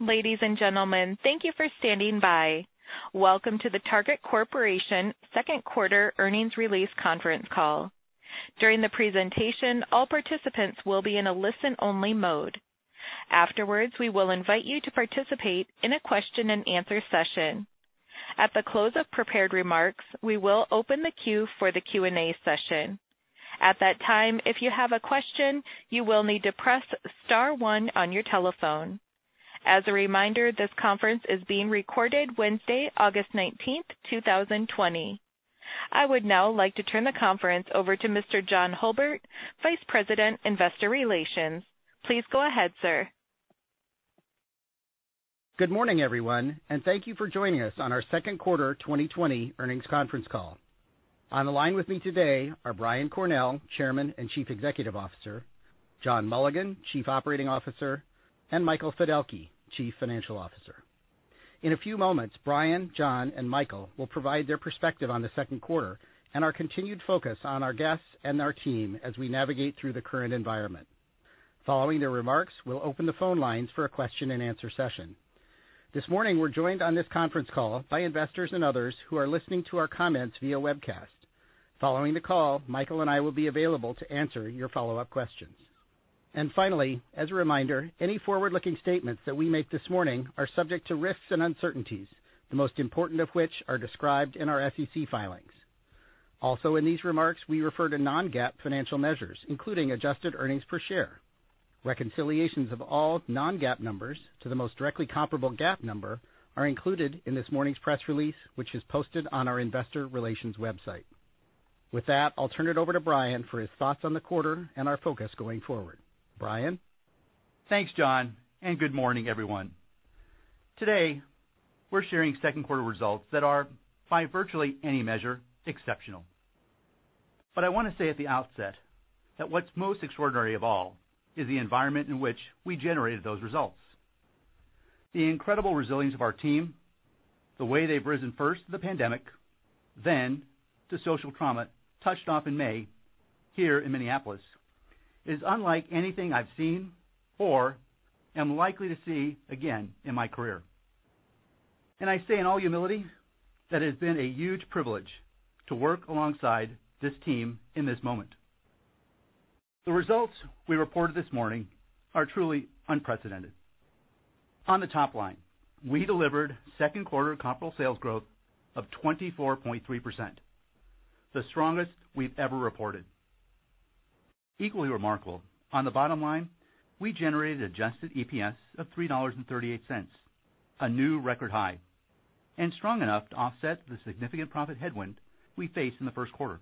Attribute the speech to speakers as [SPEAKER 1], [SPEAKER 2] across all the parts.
[SPEAKER 1] Ladies and gentlemen, thank you for standing by. Welcome to the Target Corporation second quarter earnings release conference call. During the presentation, all participants will be in a listen-only mode. Afterwards, we will invite you to participate in a question and answer session. At the close of prepared remarks, we will open the queue for the Q&A session. At that time, if you have a question, you will need to press star one on your telephone. As a reminder, this conference is being recorded Wednesday, August 19, 2020. I would now like to turn the conference over to Mr. John Hulbert, Vice President, Investor Relations. Please go ahead, sir.
[SPEAKER 2] Good morning, everyone, and thank you for joining us on our second quarter 2020 earnings conference call. On the line with me today are Brian Cornell, Chairman and Chief Executive Officer, John Mulligan, Chief Operating Officer, and Michael Fiddelke, Chief Financial Officer. In a few moments, Brian, John, and Michael will provide their perspective on the second quarter and our continued focus on our guests and our team as we navigate through the current environment. Following their remarks, we'll open the phone lines for a question and answer session. This morning, we're joined on this conference call by investors and others who are listening to our comments via webcast. Following the call, Michael and I will be available to answer your follow-up questions. Finally, as a reminder, any forward-looking statements that we make this morning are subject to risks and uncertainties, the most important of which are described in our SEC filings. In these remarks, we refer to non-GAAP financial measures, including adjusted earnings per share. Reconciliations of all non-GAAP numbers to the most directly comparable GAAP number are included in this morning's press release, which is posted on our investor relations website. With that, I'll turn it over to Brian for his thoughts on the quarter and our focus going forward. Brian?
[SPEAKER 3] Thanks, John. Good morning, everyone. Today, we're sharing second quarter results that are, by virtually any measure, exceptional. I want to say at the outset that what's most extraordinary of all is the environment in which we generated those results. The incredible resilience of our team, the way they've risen first to the pandemic, then to social trauma touched off in May here in Minneapolis, is unlike anything I've seen or am likely to see again in my career. I say in all humility that it has been a huge privilege to work alongside this team in this moment. The results we reported this morning are truly unprecedented. On the top line, we delivered second quarter comparable sales growth of 24.3%, the strongest we've ever reported. Equally remarkable, on the bottom line, we generated adjusted EPS of $3.38, a new record high, and strong enough to offset the significant profit headwind we faced in the first quarter.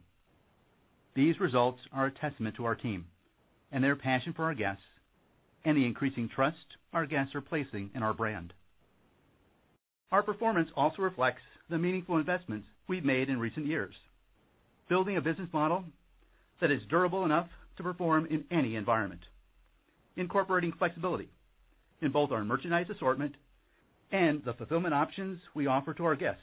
[SPEAKER 3] These results are a testament to our team and their passion for our guests and the increasing trust our guests are placing in our brand. Our performance also reflects the meaningful investments we've made in recent years, building a business model that is durable enough to perform in any environment, incorporating flexibility in both our merchandise assortment and the fulfillment options we offer to our guests,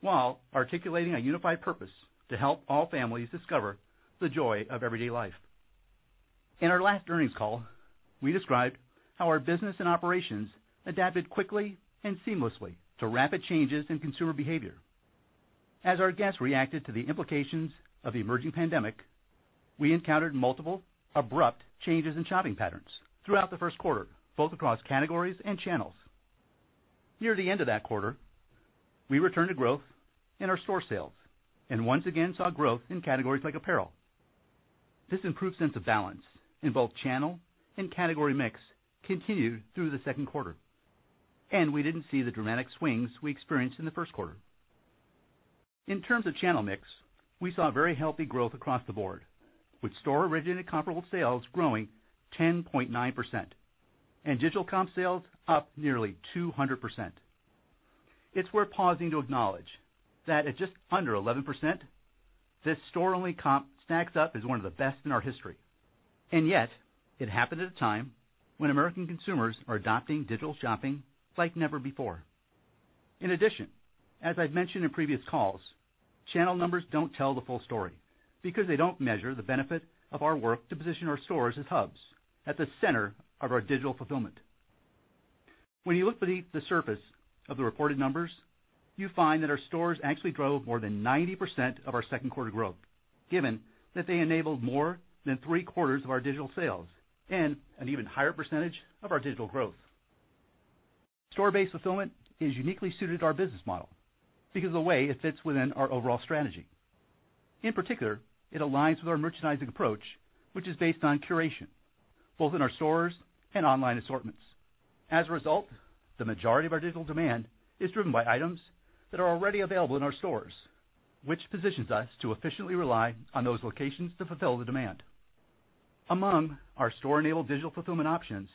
[SPEAKER 3] while articulating a unified purpose to help all families discover the joy of everyday life. In our last earnings call, we described how our business and operations adapted quickly and seamlessly to rapid changes in consumer behavior. As our guests reacted to the implications of the emerging pandemic, we encountered multiple abrupt changes in shopping patterns throughout the first quarter, both across categories and channels. Near the end of that quarter, we returned to growth in our store sales and once again saw growth in categories like apparel. This improved sense of balance in both channel and category mix continued through the second quarter, and we didn't see the dramatic swings we experienced in the first quarter. In terms of channel mix, we saw very healthy growth across the board, with store-originated comparable sales growing 10.9% and digital comp sales up nearly 200%. It's worth pausing to acknowledge that at just under 11%, this store-only comp stacks up as one of the best in our history. Yet, it happened at a time when American consumers are adopting digital shopping like never before. In addition, as I've mentioned in previous calls, channel numbers don't tell the full story because they don't measure the benefit of our work to position our stores as hubs at the center of our digital fulfillment. When you look beneath the surface of the reported numbers, you find that our stores actually drove more than 90% of our second quarter growth, given that they enabled more than three-quarters of our digital sales and an even higher percentage of our digital growth. Store-based fulfillment is uniquely suited to our business model because of the way it fits within our overall strategy. In particular, it aligns with our merchandising approach, which is based on curation, both in our stores and online assortments. As a result, the majority of our digital demand is driven by items that are already available in our stores, which positions us to efficiently rely on those locations to fulfill the demand. Among our store-enabled digital fulfillment options,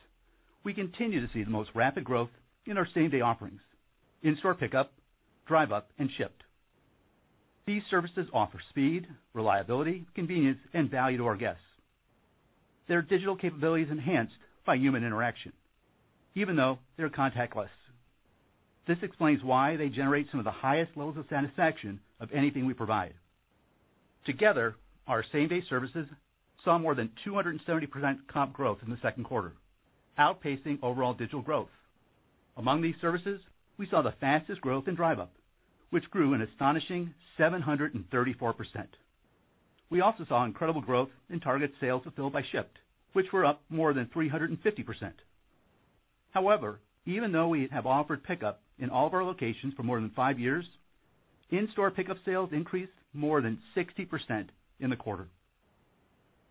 [SPEAKER 3] we continue to see the most rapid growth in our same-day offerings: in-store pickup, Drive Up, and Shipt. These services offer speed, reliability, convenience, and value to our guests. They are digital capabilities enhanced by human interaction, even though they are contactless. This explains why they generate some of the highest levels of satisfaction of anything we provide. Together, our same-day services saw more than 270% comp growth in the second quarter, outpacing overall digital growth. Among these services, we saw the fastest growth in Drive Up, which grew an astonishing 734%. We also saw incredible growth in Target's sales fulfilled by Shipt, which were up more than 350%. However, even though we have offered pickup in all of our locations for more than five years, in-store pickup sales increased more than 60% in the quarter.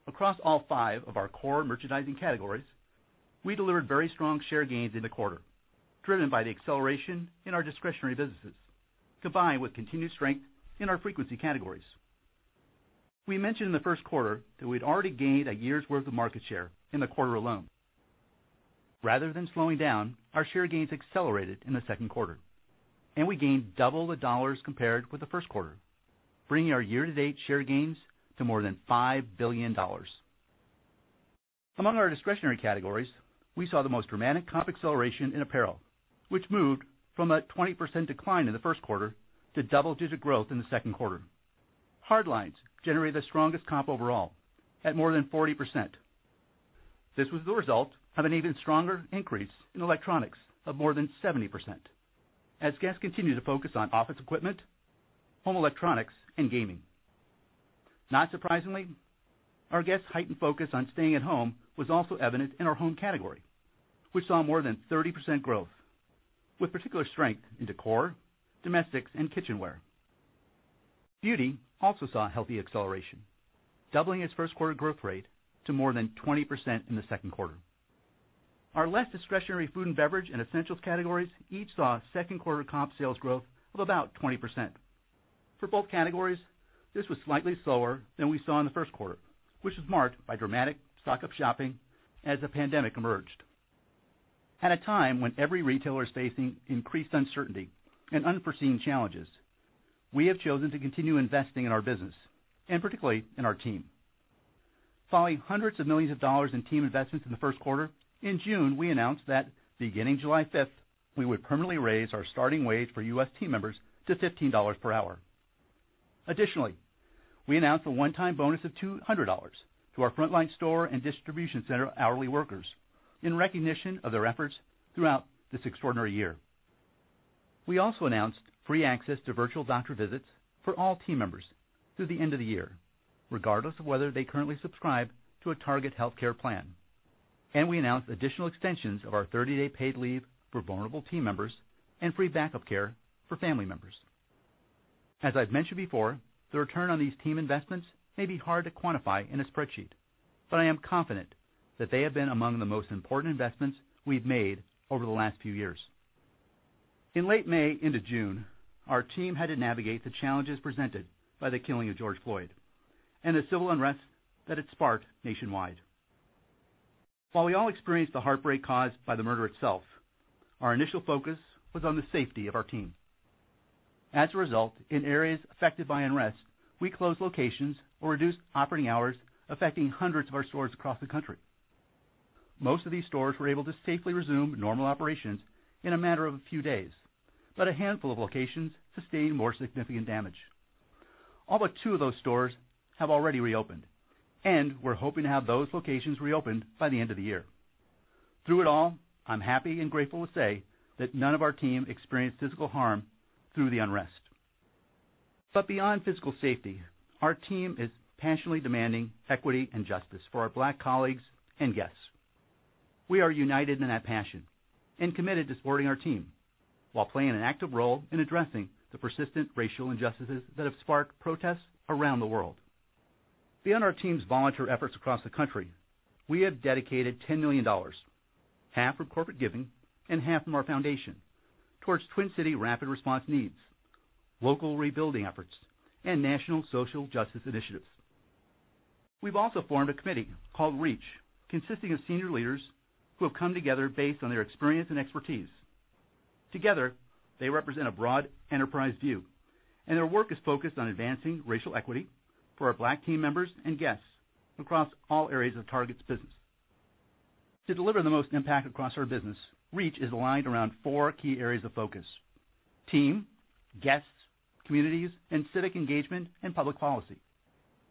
[SPEAKER 3] Across all five of our core merchandising categories, we delivered very strong share gains in the quarter, driven by the acceleration in our discretionary businesses, combined with continued strength in our frequency categories. We mentioned in the first quarter that we'd already gained a year's worth of market share in the quarter alone. Rather than slowing down, our share gains accelerated in the second quarter, and we gained double the dollars compared with the first quarter, bringing our year-to-date share gains to more than $5 billion. Among our discretionary categories, we saw the most dramatic comp acceleration in apparel, which moved from a 20% decline in the first quarter to double-digit growth in the second quarter. Hardlines generated the strongest comp overall at more than 40%. This was the result of an even stronger increase in electronics of more than 70%, as guests continued to focus on office equipment, home electronics, and gaming. Not surprisingly, our guests' heightened focus on staying at home was also evident in our home category. We saw more than 30% growth, with particular strength in decor, domestics, and kitchenware. Beauty also saw healthy acceleration, doubling its first-quarter growth rate to more than 20% in the second quarter. Our less discretionary food and beverage and essentials categories each saw second quarter comp sales growth of about 20%. For both categories, this was slightly slower than we saw in the first quarter, which was marked by dramatic stock-up shopping as the pandemic emerged. At a time when every retailer is facing increased uncertainty and unforeseen challenges, we have chosen to continue investing in our business, and particularly in our team. Following hundreds of millions of dollars in team investments in the first quarter, in June, we announced that beginning July 5th, we would permanently raise our starting wage for U.S. team members to $15 per hour. Additionally, we announced a one-time bonus of $200 to our frontline store and distribution center hourly workers in recognition of their efforts throughout this extraordinary year. We also announced free access to virtual doctor visits for all team members through the end of the year, regardless of whether they currently subscribe to a Target healthcare plan. We announced additional extensions of our 30-day paid leave for vulnerable team members and free backup care for family members. As I've mentioned before, the return on these team investments may be hard to quantify in a spreadsheet, but I am confident that they have been among the most important investments we've made over the last few years. In late May into June, our team had to navigate the challenges presented by the killing of George Floyd and the civil unrest that it sparked nationwide. While we all experienced the heartbreak caused by the murder itself, our initial focus was on the safety of our team. As a result, in areas affected by unrest, we closed locations or reduced operating hours, affecting hundreds of our stores across the country. Most of these stores were able to safely resume normal operations in a matter of a few days, but a handful of locations sustained more significant damage. All but two of those stores have already reopened, and we're hoping to have those locations reopened by the end of the year. Through it all, I'm happy and grateful to say that none of our team experienced physical harm through the unrest. Beyond physical safety, our team is passionately demanding equity and justice for our Black colleagues and guests. We are united in that passion and committed to supporting our team while playing an active role in addressing the persistent racial injustices that have sparked protests around the world. Beyond our team's volunteer efforts across the country, we have dedicated $10 million, half from corporate giving and half from our foundation, towards Twin Cities rapid response needs, local rebuilding efforts, and national social justice initiatives. We've also formed a committee called REACH, consisting of senior leaders who have come together based on their experience and expertise. Together, they represent a broad enterprise view, and their work is focused on advancing racial equity for our Black team members and guests across all areas of Target's business. To deliver the most impact across our business, REACH is aligned around four key areas of focus: team, guests, communities, and civic engagement and public policy.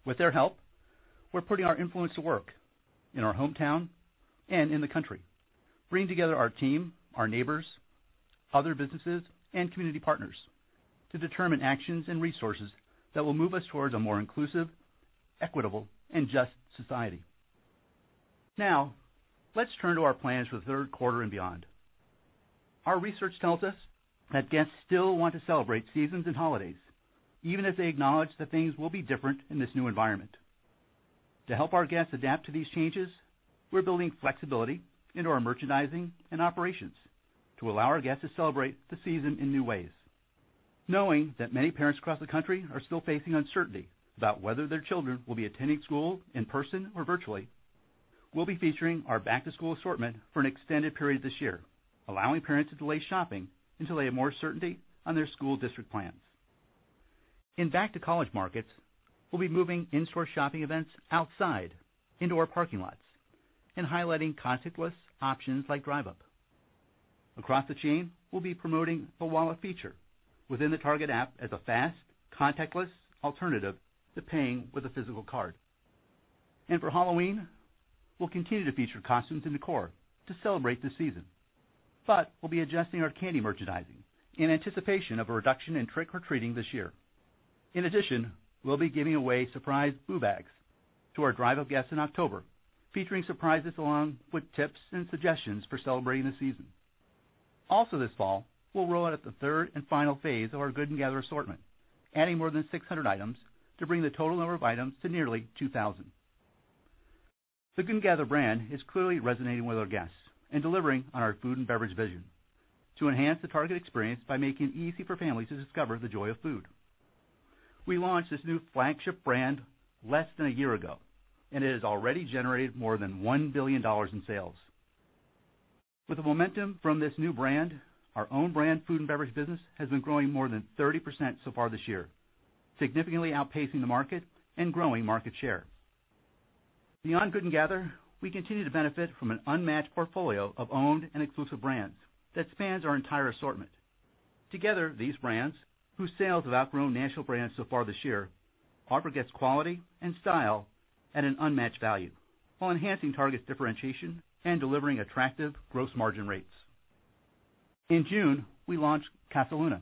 [SPEAKER 3] With their help, we're putting our influence to work in our hometown and in the country, bringing together our team, our neighbors, other businesses, and community partners to determine actions and resources that will move us towards a more inclusive, equitable, and just society. Now, let's turn to our plans for the third quarter and beyond. Our research tells us that guests still want to celebrate seasons and holidays, even as they acknowledge that things will be different in this new environment. To help our guests adapt to these changes, we're building flexibility into our merchandising and operations to allow our guests to celebrate the season in new ways. Knowing that many parents across the country are still facing uncertainty about whether their children will be attending school in person or virtually, we'll be featuring our back-to-school assortment for an extended period this year, allowing parents to delay shopping until they have more certainty on their school district plans. In back-to-college markets, we'll be moving in-store shopping events outside into our parking lots and highlighting contactless options like Drive Up. Across the chain, we'll be promoting the Wallet feature within the Target app as a fast, contactless alternative to paying with a physical card. For Halloween, we'll continue to feature costumes and decor to celebrate the season. We'll be adjusting our candy merchandising in anticipation of a reduction in trick-or-treating this year. In addition, we'll be giving away surprise boo bags to our Drive Up guests in October, featuring surprises along with tips and suggestions for celebrating the season. Also this fall, we'll roll out the third and final phase of our Good & Gather assortment, adding more than 600 items to bring the total number of items to nearly 2,000. The Good & Gather brand is clearly resonating with our guests and delivering on our food and beverage vision to enhance the Target experience by making it easy for families to discover the joy of food. We launched this new flagship brand less than a year ago, and it has already generated more than $1 billion in sales. With the momentum from this new brand, our own brand food and beverage business has been growing more than 30% so far this year, significantly outpacing the market and growing market share. Beyond Good & Gather, we continue to benefit from an unmatched portfolio of owned and exclusive brands that spans our entire assortment. Together, these brands, whose sales have outgrown national brands so far this year, offer guests quality and style at an unmatched value, while enhancing Target's differentiation and delivering attractive gross margin rates. In June, we launched Casaluna,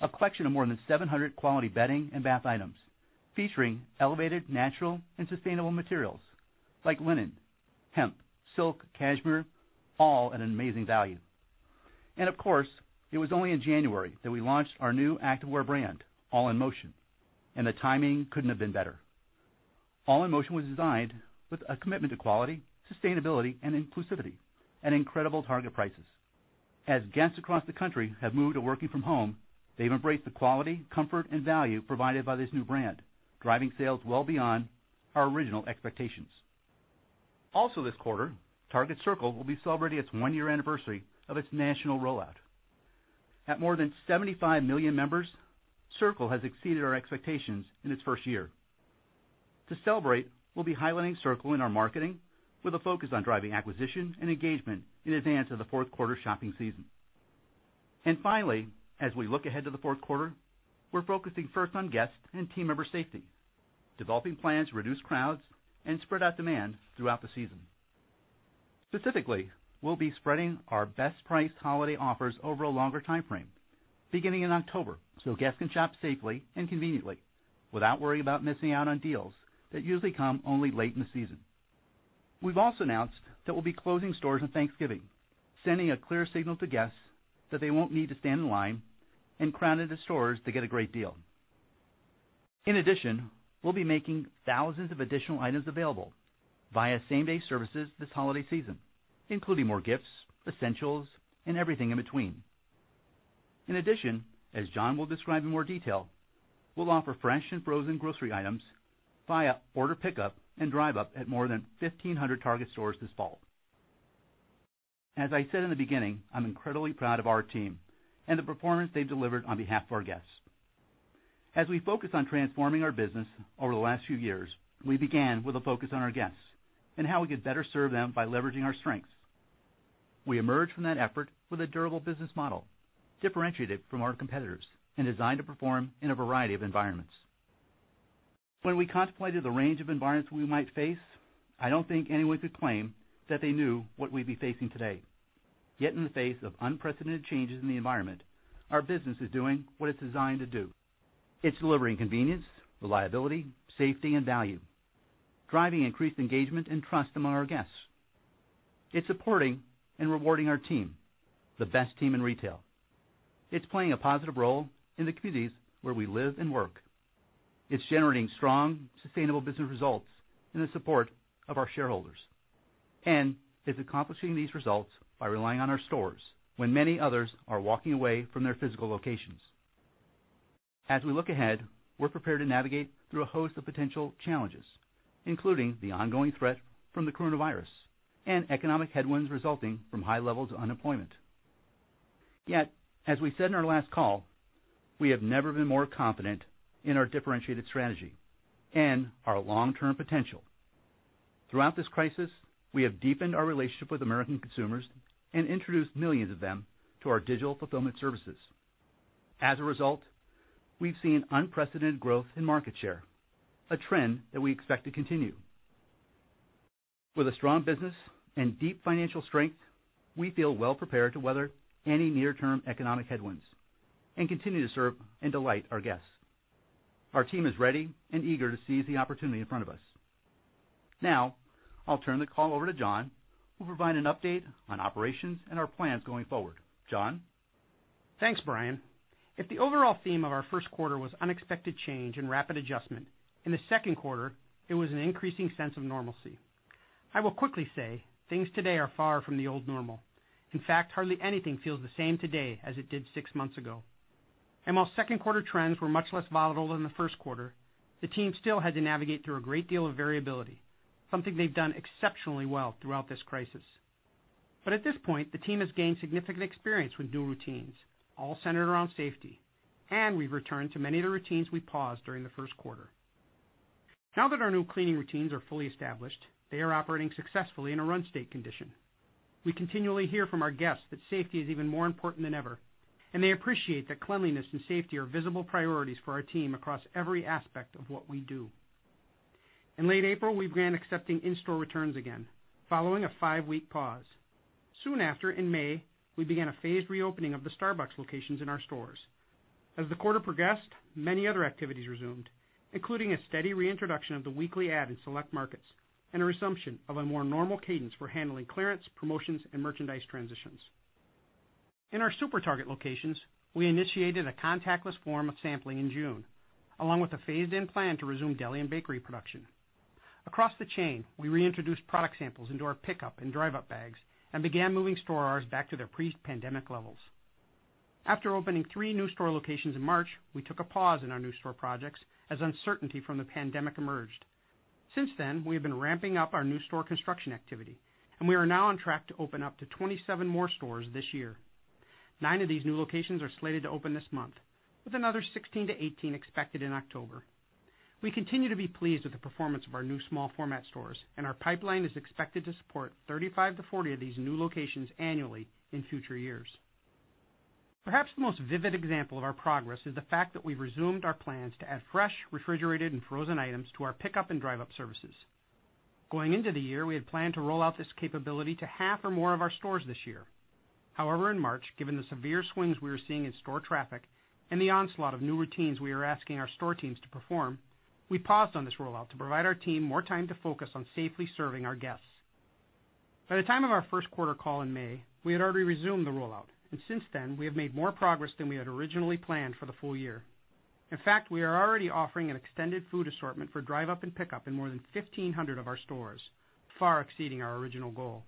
[SPEAKER 3] a collection of more than 700 quality bedding and bath items, featuring elevated natural and sustainable materials like linen, hemp, silk, cashmere, all at an amazing value. Of course, it was only in January that we launched our new activewear brand, All in Motion, and the timing couldn't have been better. All in Motion was designed with a commitment to quality, sustainability, and inclusivity at incredible Target prices. As guests across the country have moved to working from home, they've embraced the quality, comfort, and value provided by this new brand, driving sales well beyond our original expectations. Also this quarter, Target Circle will be celebrating its one-year anniversary of its national rollout. At more than 75 million members, Circle has exceeded our expectations in its first year. To celebrate, we'll be highlighting Circle in our marketing with a focus on driving acquisition and engagement in advance of the fourth quarter shopping season. Finally, as we look ahead to the fourth quarter, we're focusing first on guest and team member safety, developing plans to reduce crowds and spread out demand throughout the season. Specifically, we'll be spreading our best-priced holiday offers over a longer timeframe, beginning in October, so guests can shop safely and conveniently without worrying about missing out on deals that usually come only late in the season. We've also announced that we'll be closing stores on Thanksgiving, sending a clear signal to guests that they won't need to stand in line and crowd into stores to get a great deal. In addition, we'll be making thousands of additional items available via same-day services this holiday season, including more gifts, essentials, and everything in between. In addition, as John will describe in more detail, we'll offer fresh and frozen grocery items via order pickup and Drive Up at more than 1,500 Target stores this fall. As I said in the beginning, I'm incredibly proud of our team and the performance they've delivered on behalf of our guests. As we focused on transforming our business over the last few years, we began with a focus on our guests and how we could better serve them by leveraging our strengths. We emerged from that effort with a durable business model, differentiated from our competitors, and designed to perform in a variety of environments. When we contemplated the range of environments we might face, I don't think anyone could claim that they knew what we'd be facing today. Yet in the face of unprecedented changes in the environment, our business is doing what it's designed to do. It's delivering convenience, reliability, safety, and value, driving increased engagement and trust among our guests. It's supporting and rewarding our team, the best team in retail. It's playing a positive role in the communities where we live and work. It's generating strong, sustainable business results in the support of our shareholders, and it's accomplishing these results by relying on our stores when many others are walking away from their physical locations. As we look ahead, we're prepared to navigate through a host of potential challenges, including the ongoing threat from COVID-19 and economic headwinds resulting from high levels of unemployment. Yet, as we said in our last call, we have never been more confident in our differentiated strategy and our long-term potential. Throughout this crisis, we have deepened our relationship with American consumers and introduced millions of them to our digital fulfillment services. As a result, we've seen unprecedented growth in market share, a trend that we expect to continue. With a strong business and deep financial strength, we feel well prepared to weather any near-term economic headwinds and continue to serve and delight our guests. Our team is ready and eager to seize the opportunity in front of us. Now, I'll turn the call over to John, who'll provide an update on operations and our plans going forward. John?
[SPEAKER 4] Thanks, Brian. If the overall theme of our first quarter was unexpected change and rapid adjustment, in the second quarter, it was an increasing sense of normalcy. I will quickly say things today are far from the old normal. In fact, hardly anything feels the same today as it did six months ago. While second quarter trends were much less volatile than the first quarter, the team still had to navigate through a great deal of variability, something they've done exceptionally well throughout this crisis. At this point, the team has gained significant experience with new routines, all centered around safety, and we've returned to many of the routines we paused during the first quarter. Now that our new cleaning routines are fully established, they are operating successfully in a run state condition. We continually hear from our guests that safety is even more important than ever, and they appreciate that cleanliness and safety are visible priorities for our team across every aspect of what we do. In late April, we began accepting in-store returns again, following a five-week pause. Soon after, in May, we began a phased reopening of the Starbucks locations in our stores. As the quarter progressed, many other activities resumed, including a steady reintroduction of the weekly ad in select markets and a resumption of a more normal cadence for handling clearance, promotions, and merchandise transitions. In our SuperTarget locations, we initiated a contactless form of sampling in June, along with a phased-in plan to resume deli and bakery production. Across the chain, we reintroduced product samples into our pickup and Drive Up bags and began moving store hours back to their pre-pandemic levels. After opening three new store locations in March, we took a pause in our new store projects as uncertainty from the pandemic emerged. Since then, we have been ramping up our new store construction activity, and we are now on track to open up to 27 more stores this year. Nine of these new locations are slated to open this month, with another 16-18 expected in October. We continue to be pleased with the performance of our new small format stores, and our pipeline is expected to support 35-40 of these new locations annually in future years. Perhaps the most vivid example of our progress is the fact that we've resumed our plans to add fresh, refrigerated, and frozen items to our pickup and Drive Up services. Going into the year, we had planned to roll out this capability to half or more of our stores this year. However, in March, given the severe swings we were seeing in store traffic and the onslaught of new routines we were asking our store teams to perform, we paused on this rollout to provide our team more time to focus on safely serving our guests. By the time of our first quarter call in May, we had already resumed the rollout, and since then, we have made more progress than we had originally planned for the full year. In fact, we are already offering an extended food assortment for Drive Up and pickup in more than 1,500 of our stores, far exceeding our original goal.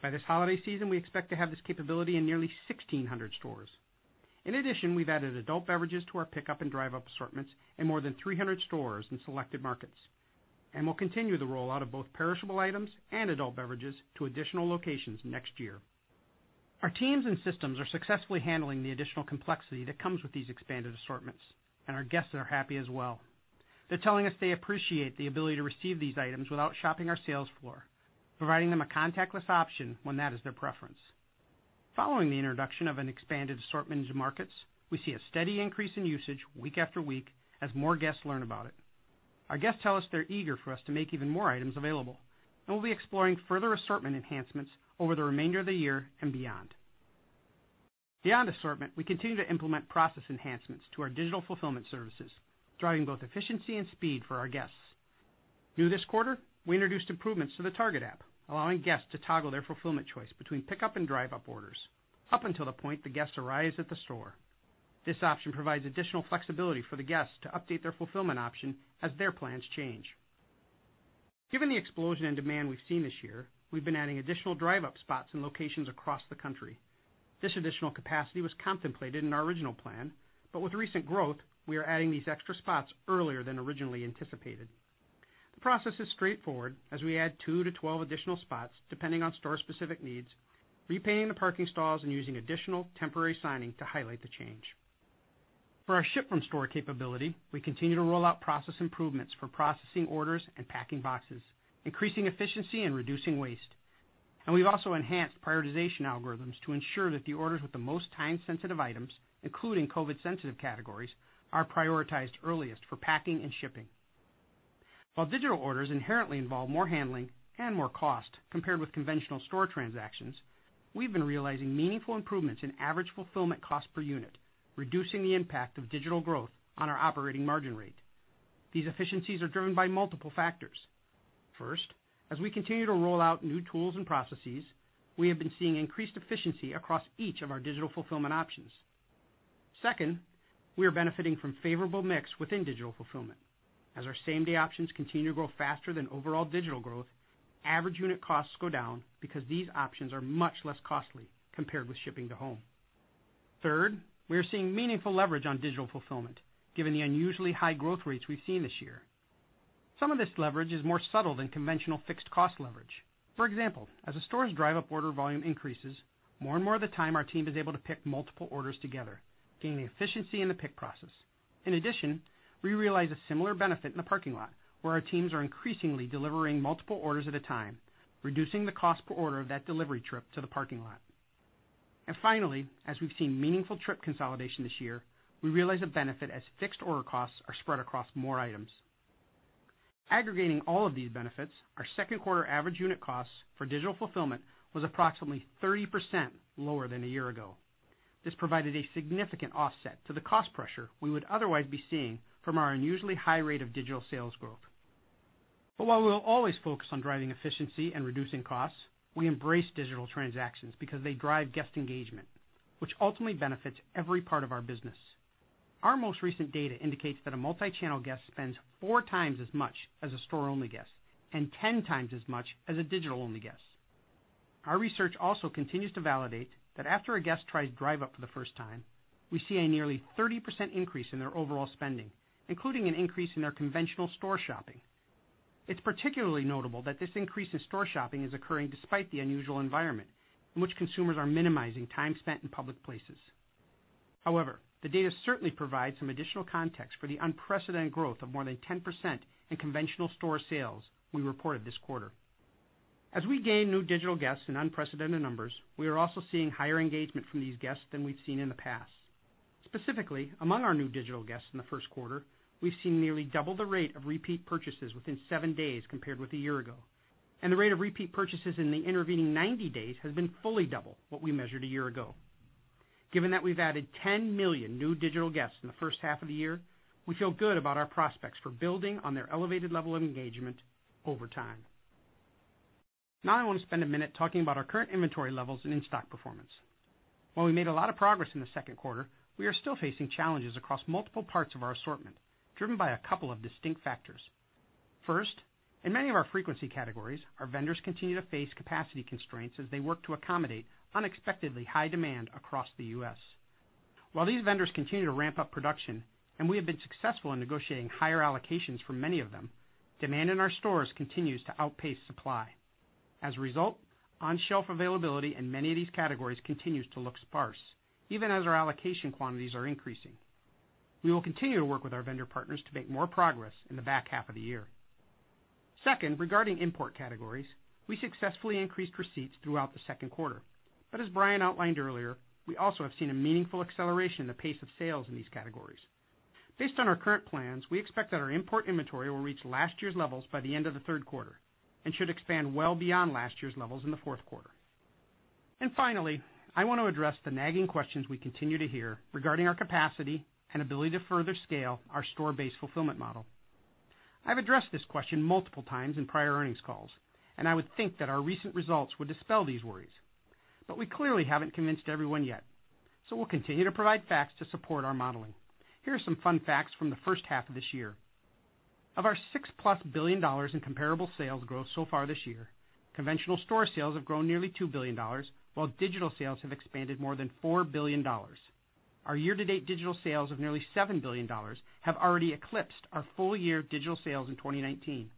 [SPEAKER 4] By this holiday season, we expect to have this capability in nearly 1,600 stores. In addition, we've added adult beverages to our pickup and Drive Up assortments in more than 300 stores in selected markets. We'll continue the rollout of both perishable items and adult beverages to additional locations next year. Our teams and systems are successfully handling the additional complexity that comes with these expanded assortments, and our guests are happy as well. They're telling us they appreciate the ability to receive these items without shopping our sales floor, providing them a contactless option when that is their preference. Following the introduction of an expanded assortment into markets, we see a steady increase in usage week after week as more guests learn about it. Our guests tell us they're eager for us to make even more items available, and we'll be exploring further assortment enhancements over the remainder of the year and beyond. Beyond assortment, we continue to implement process enhancements to our digital fulfillment services, driving both efficiency and speed for our guests. New this quarter, we introduced improvements to the Target app, allowing guests to toggle their fulfillment choice between pickup and Drive Up orders up until the point the guest arrives at the store. This option provides additional flexibility for the guests to update their fulfillment option as their plans change. Given the explosion in demand we've seen this year, we've been adding additional Drive Up spots in locations across the country. This additional capacity was contemplated in our original plan. With recent growth, we are adding these extra spots earlier than originally anticipated. The process is straightforward as we add 2-12 additional spots, depending on store-specific needs, repainting the parking stalls, and using additional temporary signing to highlight the change. For our ship from store capability, we continue to roll out process improvements for processing orders and packing boxes, increasing efficiency, and reducing waste. We've also enhanced prioritization algorithms to ensure that the orders with the most time-sensitive items, including COVID-sensitive categories, are prioritized earliest for packing and shipping. While digital orders inherently involve more handling and more cost compared with conventional store transactions, we've been realizing meaningful improvements in average fulfillment cost per unit, reducing the impact of digital growth on our operating margin rate. These efficiencies are driven by multiple factors. First, as we continue to roll out new tools and processes, we have been seeing increased efficiency across each of our digital fulfillment options. Second, we are benefiting from favorable mix within digital fulfillment. As our same-day options continue to grow faster than overall digital growth, average unit costs go down because these options are much less costly compared with shipping to home. Third, we are seeing meaningful leverage on digital fulfillment, given the unusually high growth rates we've seen this year. Some of this leverage is more subtle than conventional fixed cost leverage. For example, as a store's Drive Up order volume increases, more and more of the time, our team is able to pick multiple orders together, gaining efficiency in the pick process. In addition, we realize a similar benefit in the parking lot, where our teams are increasingly delivering multiple orders at a time, reducing the cost per order of that delivery trip to the parking lot. Finally, as we've seen meaningful trip consolidation this year, we realize a benefit as fixed order costs are spread across more items. Aggregating all of these benefits, our second quarter average unit costs for digital fulfillment was approximately 30% lower than a year ago. This provided a significant offset to the cost pressure we would otherwise be seeing from our unusually high rate of digital sales growth. While we'll always focus on driving efficiency and reducing costs, we embrace digital transactions because they drive guest engagement, which ultimately benefits every part of our business. Our most recent data indicates that a multi-channel guest spends 4x as much as a store-only guest and 10x as much as a digital-only guest. Our research also continues to validate that after a guest tries Drive Up for the first time, we see a nearly 30% increase in their overall spending, including an increase in their conventional store shopping. It's particularly notable that this increase in store shopping is occurring despite the unusual environment in which consumers are minimizing time spent in public places. However, the data certainly provides some additional context for the unprecedented growth of more than 10% in conventional store sales we reported this quarter. As we gain new digital guests in unprecedented numbers, we are also seeing higher engagement from these guests than we've seen in the past. Specifically, among our new digital guests in the first quarter, we've seen nearly double the rate of repeat purchases within seven days compared with a year ago, and the rate of repeat purchases in the intervening 90 days has been fully double what we measured a year ago. Given that we've added 10 million new digital guests in the first half of the year, we feel good about our prospects for building on their elevated level of engagement over time. I want to spend a minute talking about our current inventory levels and in-stock performance. While we made a lot of progress in the second quarter, we are still facing challenges across multiple parts of our assortment, driven by a couple of distinct factors. First, in many of our frequency categories, our vendors continue to face capacity constraints as they work to accommodate unexpectedly high demand across the U.S. While these vendors continue to ramp up production, and we have been successful in negotiating higher allocations for many of them, demand in our stores continues to outpace supply. As a result, on-shelf availability in many of these categories continues to look sparse, even as our allocation quantities are increasing. We will continue to work with our vendor partners to make more progress in the back half of the year. Second, regarding import categories, we successfully increased receipts throughout the second quarter, but as Brian outlined earlier, we also have seen a meaningful acceleration in the pace of sales in these categories. Based on our current plans, we expect that our import inventory will reach last year's levels by the end of the third quarter and should expand well beyond last year's levels in the fourth quarter. Finally, I want to address the nagging questions we continue to hear regarding our capacity and ability to further scale our store-based fulfillment model. I've addressed this question multiple times in prior earnings calls. I would think that our recent results would dispel these worries. We clearly haven't convinced everyone yet. We'll continue to provide facts to support our modeling. Here are some fun facts from the first half of this year. Of our 6+ billion in comparable sales growth so far this year, conventional store sales have grown nearly $2 billion, while digital sales have expanded more than $4 billion. Our year-to-date digital sales of nearly $7 billion have already eclipsed our full-year digital sales in 2019,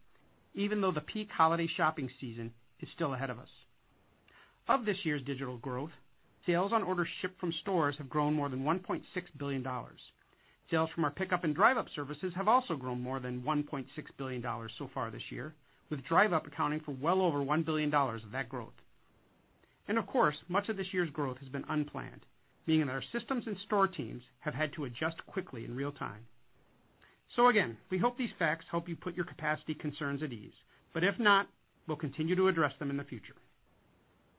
[SPEAKER 4] even though the peak holiday shopping season is still ahead of us. Of this year's digital growth, sales on orders shipped from stores have grown more than $1.6 billion. Sales from our pickup and Drive Up services have also grown more than $1.6 billion so far this year, with Drive Up accounting for well over $1 billion of that growth. Of course, much of this year's growth has been unplanned, meaning that our systems and store teams have had to adjust quickly in real time. Again, we hope these facts help you put your capacity concerns at ease. If not, we'll continue to address them in the future.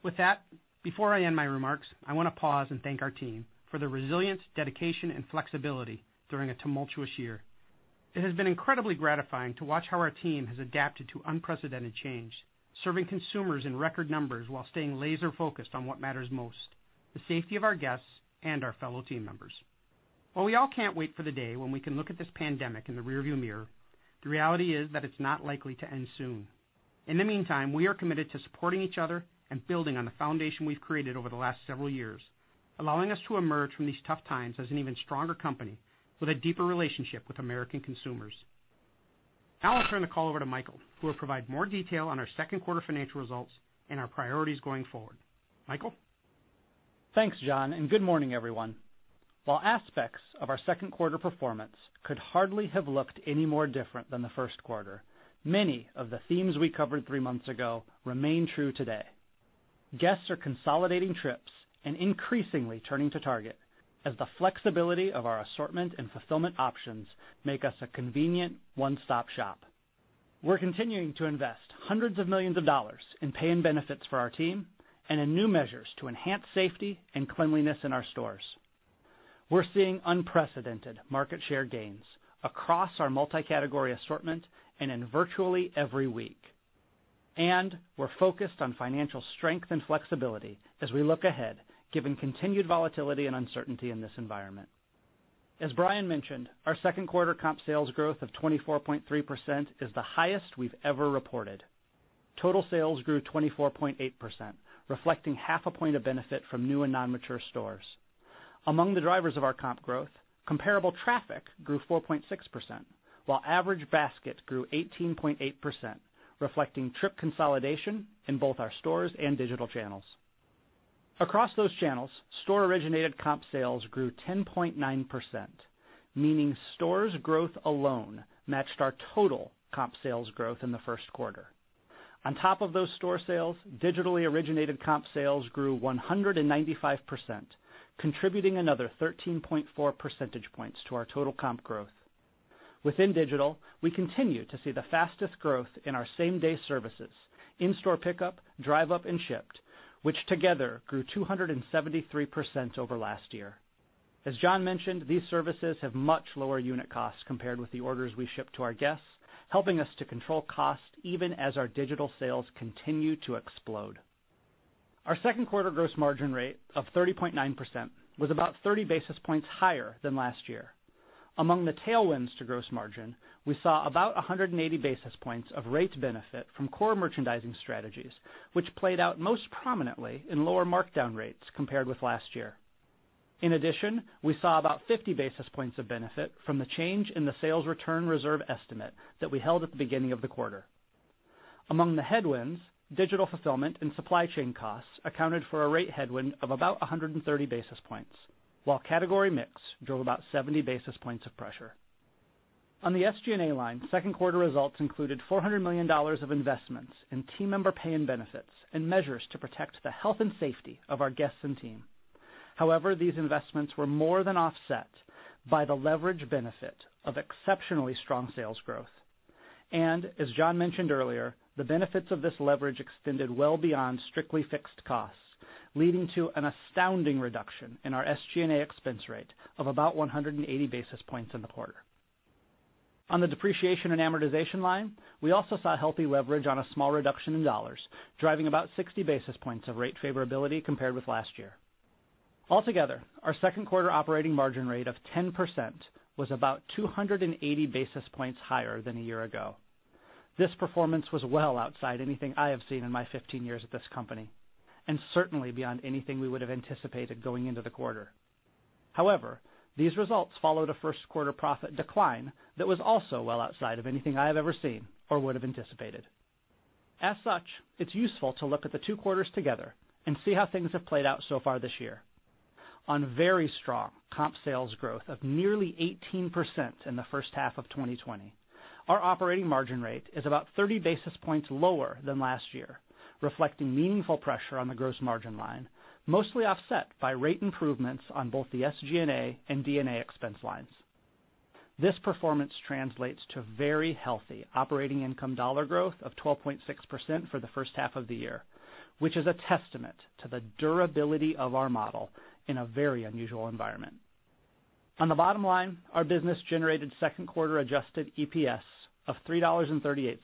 [SPEAKER 4] With that, before I end my remarks, I want to pause and thank our team for their resilience, dedication, and flexibility during a tumultuous year. It has been incredibly gratifying to watch how our team has adapted to unprecedented change, serving consumers in record numbers while staying laser-focused on what matters most, the safety of our guests and our fellow team members. While we all can't wait for the day when we can look at this pandemic in the rearview mirror, the reality is that it's not likely to end soon. In the meantime, we are committed to supporting each other and building on the foundation we've created over the last several years, allowing us to emerge from these tough times as an even stronger company with a deeper relationship with American consumers. Now I'll turn the call over to Michael, who will provide more detail on our second quarter financial results and our priorities going forward. Michael?
[SPEAKER 5] Thanks, John, and good morning, everyone. While aspects of our second quarter performance could hardly have looked any more different than the first quarter, many of the themes we covered three months ago remain true today. Guests are consolidating trips and increasingly turning to Target as the flexibility of our assortment and fulfillment options make us a convenient one-stop shop. We're continuing to invest hundreds of millions of dollars in pay and benefits for our team and in new measures to enhance safety and cleanliness in our stores. We're seeing unprecedented market share gains across our multi-category assortment and in virtually every week. We're focused on financial strength and flexibility as we look ahead, given continued volatility and uncertainty in this environment. As Brian mentioned, our second quarter comp sales growth of 24.3% is the highest we've ever reported. Total sales grew 24.8%, reflecting half a point of benefit from new and non-mature stores. Among the drivers of our comp growth, comparable traffic grew 4.6%, while average basket grew 18.8%, reflecting trip consolidation in both our stores and digital channels. Across those channels, store-originated comp sales grew 10.9%, meaning stores growth alone matched our total comp sales growth in the first quarter. On top of those store sales, digitally originated comp sales grew 195%, contributing another 13.4 percentage points to our total comp growth. Within digital, we continue to see the fastest growth in our same-day services, in-store pickup, Drive Up, and Shipt, which together grew 273% over last year. As John mentioned, these services have much lower unit costs compared with the orders we ship to our guests, helping us to control costs even as our digital sales continue to explode. Our second quarter gross margin rate of 30.9% was about 30 basis points higher than last year. Among the tailwinds to gross margin, we saw about 180 basis points of rate benefit from core merchandising strategies, which played out most prominently in lower markdown rates compared with last year. In addition, we saw about 50 basis points of benefit from the change in the sales return reserve estimate that we held at the beginning of the quarter. Among the headwinds, digital fulfillment and supply chain costs accounted for a rate headwind of about 130 basis points, while category mix drove about 70 basis points of pressure. On the SG&A line, second quarter results included $400 million of investments in team member pay and benefits and measures to protect the health and safety of our guests and team. These investments were more than offset by the leverage benefit of exceptionally strong sales growth. As John mentioned earlier, the benefits of this leverage extended well beyond strictly fixed costs, leading to an astounding reduction in our SG&A expense rate of about 180 basis points in the quarter. On the depreciation and amortization line, we also saw healthy leverage on a small reduction in dollars, driving about 60 basis points of rate favorability compared with last year. Altogether, our second quarter operating margin rate of 10% was about 280 basis points higher than a year ago. This performance was well outside anything I have seen in my 15 years at this company, and certainly beyond anything we would have anticipated going into the quarter. These results follow the first quarter profit decline that was also well outside of anything I've ever seen or would have anticipated. As such, it's useful to look at the two quarters together and see how things have played out so far this year. On very strong comp sales growth of nearly 18% in the first half of 2020, our operating margin rate is about 30 basis points lower than last year, reflecting meaningful pressure on the gross margin line, mostly offset by rate improvements on both the SG&A and D&A expense lines. This performance translates to very healthy operating income dollar growth of 12.6% for the first half of the year, which is a testament to the durability of our model in a very unusual environment. On the bottom line, our business generated second quarter adjusted EPS of $3.38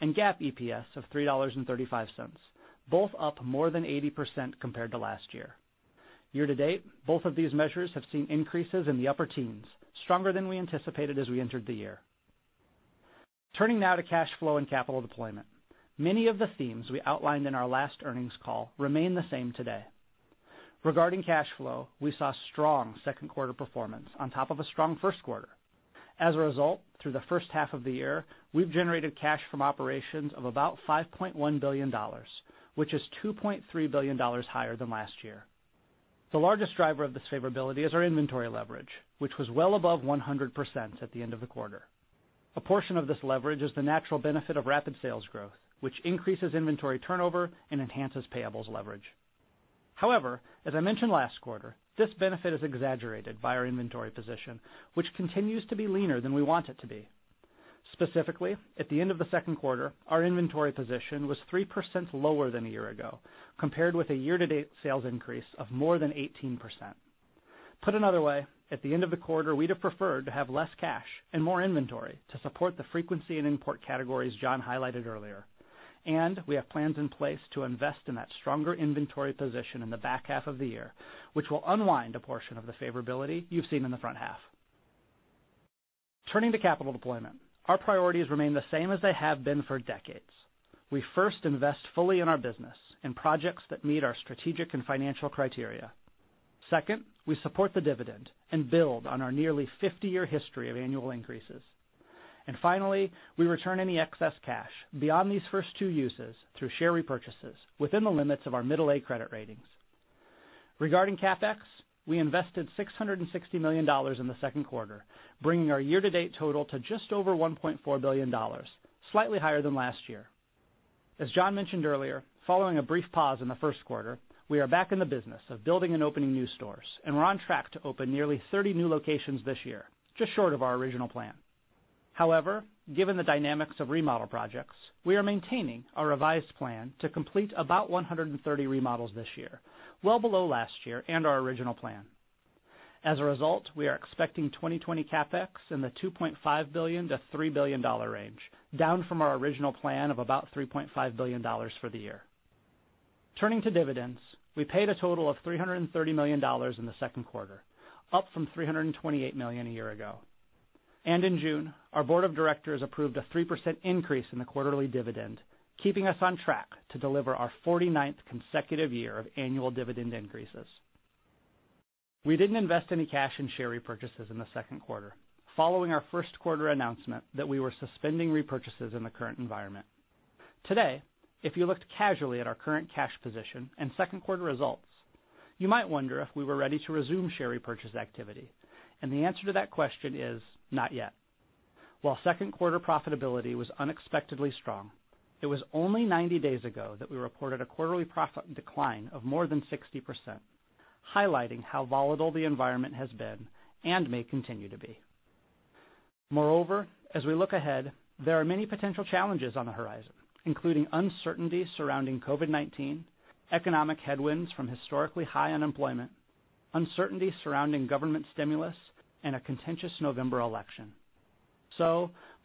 [SPEAKER 5] and GAAP EPS of $3.35, both up more than 80% compared to last year. Year to date, both of these measures have seen increases in the upper teens, stronger than we anticipated as we entered the year. Turning now to cash flow and capital deployment. Many of the themes we outlined in our last earnings call remain the same today. Regarding cash flow, we saw strong second quarter performance on top of a strong first quarter. As a result, through the first half of the year, we've generated cash from operations of about $5.1 billion, which is $2.3 billion higher than last year. The largest driver of this favorability is our inventory leverage, which was well above 100% at the end of the quarter. A portion of this leverage is the natural benefit of rapid sales growth, which increases inventory turnover and enhances payables leverage. As I mentioned last quarter, this benefit is exaggerated by our inventory position, which continues to be leaner than we want it to be. Specifically, at the end of the second quarter, our inventory position was 3% lower than a year ago, compared with a year-to-date sales increase of more than 18%. Put another way, at the end of the quarter, we'd have preferred to have less cash and more inventory to support the frequency in import categories John highlighted earlier, and we have plans in place to invest in that stronger inventory position in the back half of the year, which will unwind a portion of the favorability you've seen in the front half. Turning to capital deployment, our priorities remain the same as they have been for decades. We first invest fully in our business, in projects that meet our strategic and financial criteria. Second, we support the dividend and build on our nearly 50-year history of annual increases. Finally, we return any excess cash beyond these first two uses through share repurchases within the limits of our middle A credit ratings. Regarding CapEx, we invested $660 million in the second quarter, bringing our year-to-date total to just over $1.4 billion, slightly higher than last year. As John mentioned earlier, following a brief pause in the first quarter, we are back in the business of building and opening new stores, and we're on track to open nearly 30 new locations this year, just short of our original plan. However, given the dynamics of remodel projects, we are maintaining our revised plan to complete about 130 remodels this year, well below last year and our original plan. As a result, we are expecting 2020 CapEx in the $2.5 billion-$3 billion range, down from our original plan of about $3.5 billion for the year. Turning to dividends, we paid a total of $330 million in the second quarter, up from $328 million a year ago. In June, our board of directors approved a 3% increase in the quarterly dividend, keeping us on track to deliver our 49th consecutive year of annual dividend increases. We didn't invest any cash in share repurchases in the second quarter, following our first quarter announcement that we were suspending repurchases in the current environment. Today, if you looked casually at our current cash position and second quarter results, you might wonder if we were ready to resume share repurchase activity. The answer to that question is not yet. While second quarter profitability was unexpectedly strong, it was only 90 days ago that we reported a quarterly profit decline of more than 60%, highlighting how volatile the environment has been and may continue to be. As we look ahead, there are many potential challenges on the horizon, including uncertainty surrounding COVID-19, economic headwinds from historically high unemployment, uncertainty surrounding government stimulus, and a contentious November election.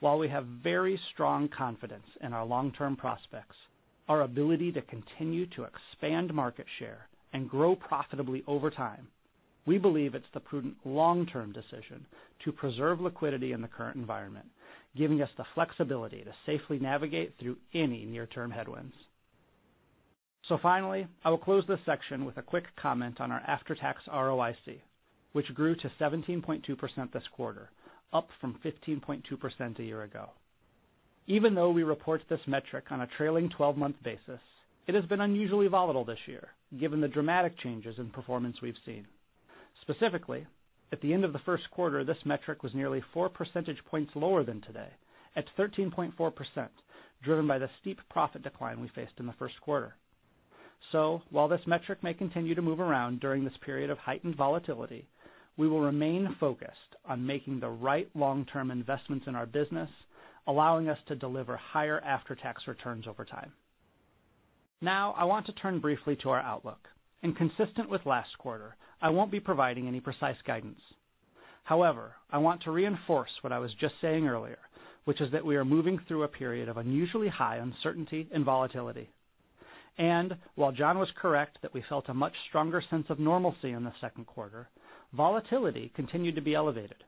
[SPEAKER 5] While we have very strong confidence in our long-term prospects, our ability to continue to expand market share and grow profitably over time, we believe it's the prudent long-term decision to preserve liquidity in the current environment, giving us the flexibility to safely navigate through any near-term headwinds. Finally, I will close this section with a quick comment on our after-tax ROIC, which grew to 17.2% this quarter, up from 15.2% a year ago. Even though we report this metric on a trailing 12-month basis, it has been unusually volatile this year given the dramatic changes in performance we've seen. Specifically, at the end of the first quarter, this metric was nearly four percentage points lower than today at 13.4%, driven by the steep profit decline we faced in the first quarter. While this metric may continue to move around during this period of heightened volatility, we will remain focused on making the right long-term investments in our business, allowing us to deliver higher after-tax returns over time. I want to turn briefly to our outlook. Consistent with last quarter, I won't be providing any precise guidance. However, I want to reinforce what I was just saying earlier, which is that we are moving through a period of unusually high uncertainty and volatility. While John was correct that we felt a much stronger sense of normalcy in the second quarter, volatility continued to be elevated.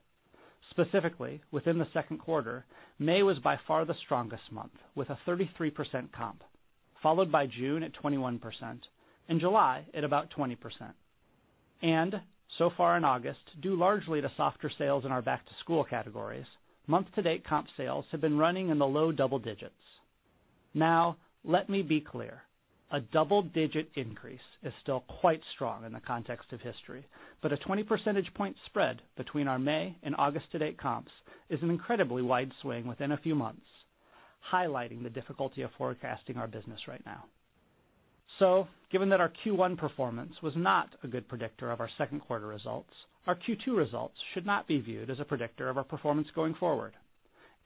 [SPEAKER 5] Specifically, within the second quarter, May was by far the strongest month, with a 33% comp, followed by June at 21% and July at about 20%. So far in August, due largely to softer sales in our back-to-school categories, month-to-date comp sales have been running in the low double digits. Let me be clear. A double-digit increase is still quite strong in the context of history, but a 20 percentage point spread between our May and August-to-date comps is an incredibly wide swing within a few months, highlighting the difficulty of forecasting our business right now. Given that our Q1 performance was not a good predictor of our second quarter results, our Q2 results should not be viewed as a predictor of our performance going forward.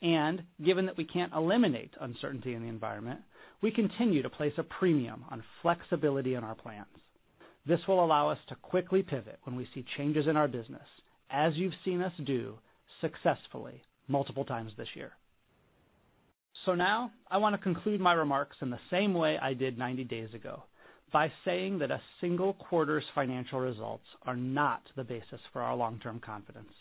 [SPEAKER 5] Given that we can't eliminate uncertainty in the environment, we continue to place a premium on flexibility in our plans. This will allow us to quickly pivot when we see changes in our business, as you've seen us do successfully multiple times this year. Now I want to conclude my remarks in the same way I did 90 days ago by saying that a single quarter's financial results are not the basis for our long-term confidence.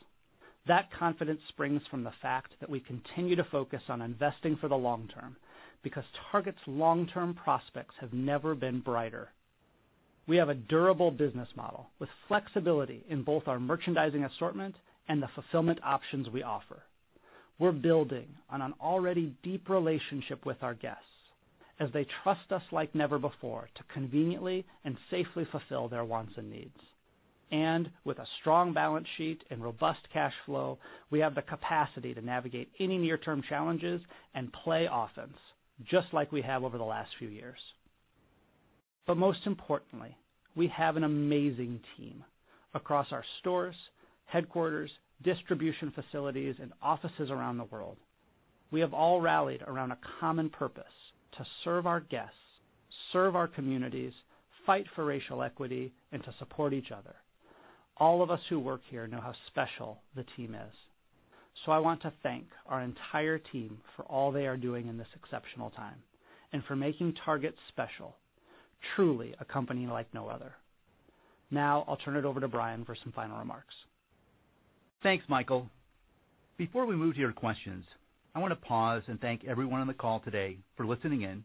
[SPEAKER 5] That confidence springs from the fact that we continue to focus on investing for the long term because Target's long-term prospects have never been brighter. We have a durable business model with flexibility in both our merchandising assortment and the fulfillment options we offer. We're building on an already deep relationship with our guests as they trust us like never before to conveniently and safely fulfill their wants and needs. With a strong balance sheet and robust cash flow, we have the capacity to navigate any near-term challenges and play offense, just like we have over the last few years. Most importantly, we have an amazing team across our stores, headquarters, distribution facilities, and offices around the world. We have all rallied around a common purpose to serve our guests, serve our communities, fight for racial equity, and to support each other. All of us who work here know how special the team is. I want to thank our entire team for all they are doing in this exceptional time and for making Target special, truly a company like no other. I'll turn it over to Brian for some final remarks.
[SPEAKER 3] Thanks, Michael. Before we move to your questions, I want to pause and thank everyone on the call today for listening in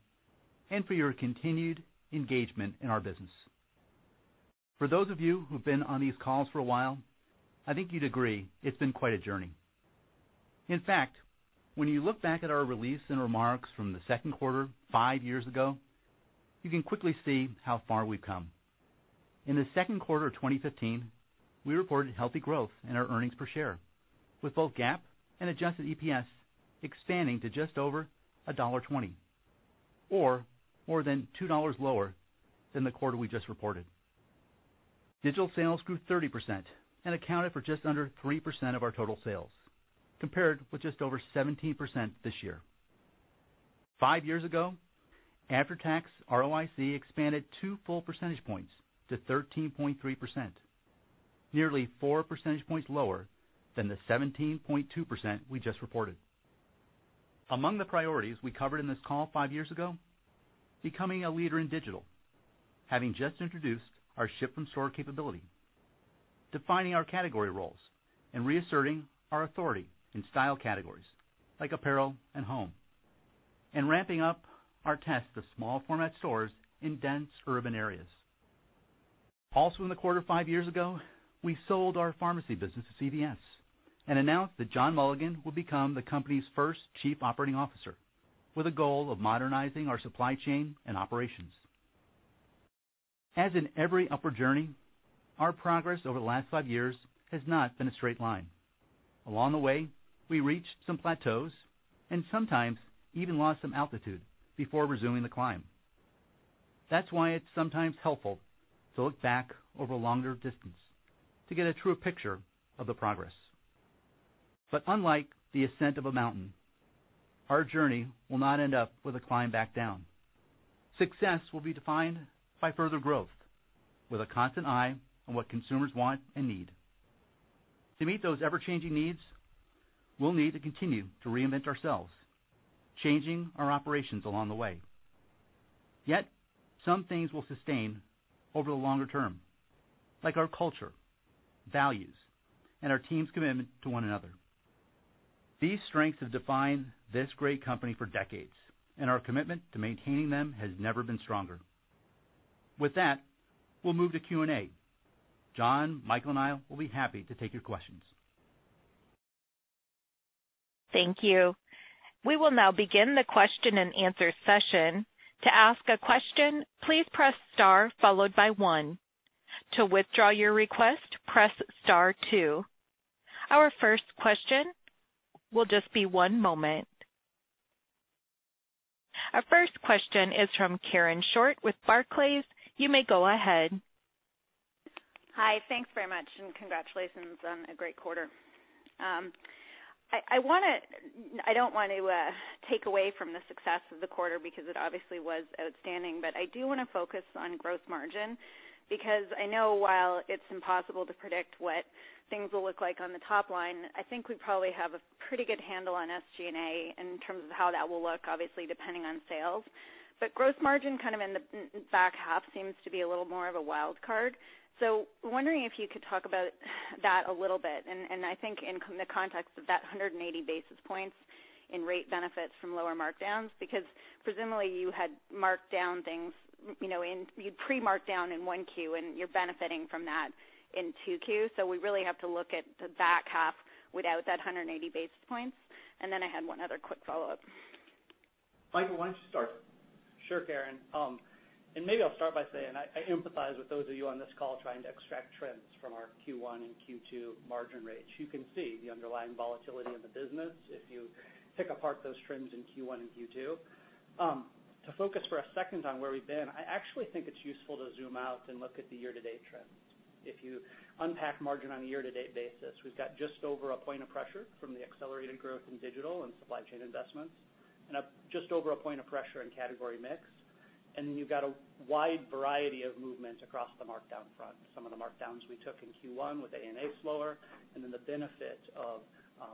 [SPEAKER 3] and for your continued engagement in our business. For those of you who've been on these calls for a while, I think you'd agree it's been quite a journey. In fact, when you look back at our release and remarks from the second quarter five years ago, you can quickly see how far we've come. In the second quarter of 2015, we reported healthy growth in our earnings per share, with both GAAP and adjusted EPS expanding to just over $1.20, or more than $2 lower than the quarter we just reported. Digital sales grew 30% and accounted for just under 3% of our total sales, compared with just over 17% this year. Five years ago, after-tax ROIC expanded two full percentage points to 13.3%, nearly 4 percentage points lower than the 17.2% we just reported. Among the priorities we covered in this call five years ago, becoming a leader in digital, having just introduced our ship from store capability, defining our category roles, and reasserting our authority in style categories like apparel and home, and ramping up our test to small format stores in dense urban areas. Also, in the quarter five years ago, we sold our pharmacy business to CVS and announced that John Mulligan would become the company's first Chief Operating Officer with a goal of modernizing our supply chain and operations. As in every upward journey, our progress over the last five years has not been a straight line. Along the way, we reached some plateaus and sometimes even lost some altitude before resuming the climb. That's why it's sometimes helpful to look back over a longer distance to get a true picture of the progress. Unlike the ascent of a mountain, our journey will not end up with a climb back down. Success will be defined by further growth, with a constant eye on what consumers want and need. To meet those ever-changing needs, we'll need to continue to reinvent ourselves, changing our operations along the way. Yet some things will sustain over the longer term, like our culture, values, and our team's commitment to one another. These strengths have defined this great company for decades, and our commitment to maintaining them has never been stronger. With that, we'll move to Q&A. John, Michael, and I will be happy to take your questions.
[SPEAKER 1] Thank you. We will now begin the question and answer session. To ask a question, please press star followed by one. To withdraw your request, press star two. Our first question will just be one moment. Our first question is from Karen Short with Barclays. You may go ahead.
[SPEAKER 6] Hi. Thanks very much. Congratulations on a great quarter. I don't want to take away from the success of the quarter because it obviously was outstanding. I do want to focus on gross margin, because I know while it's impossible to predict what things will look like on the top line, I think we probably have a pretty good handle on SG&A in terms of how that will look, obviously depending on sales. Gross margin kind of in the back half seems to be a little more of a wild card. Wondering if you could talk about that a little bit, and I think in the context of that 180 basis points in rate benefits from lower markdowns. Presumably you had marked down things and you pre-marked down in 1Q, and you're benefiting from that in 2Q. We really have to look at the back half without that 180 basis points. I had one other quick follow-up.
[SPEAKER 3] Michael, why don't you start?
[SPEAKER 5] Sure, Karen. Maybe I'll start by saying I empathize with those of you on this call trying to extract trends from our Q1 and Q2 margin rates. You can see the underlying volatility in the business if you pick apart those trends in Q1 and Q2. To focus for a second on where we've been, I actually think it's useful to zoom out and look at the year-to-date trends. If you unpack margin on a year-to-date basis, we've got just over a point of pressure from the accelerated growth in digital and supply chain investments, and just over a point of pressure in category mix. Then you've got a wide variety of movements across the markdown front. Some of the markdowns we took in Q1 with ANA slower, and then the benefit of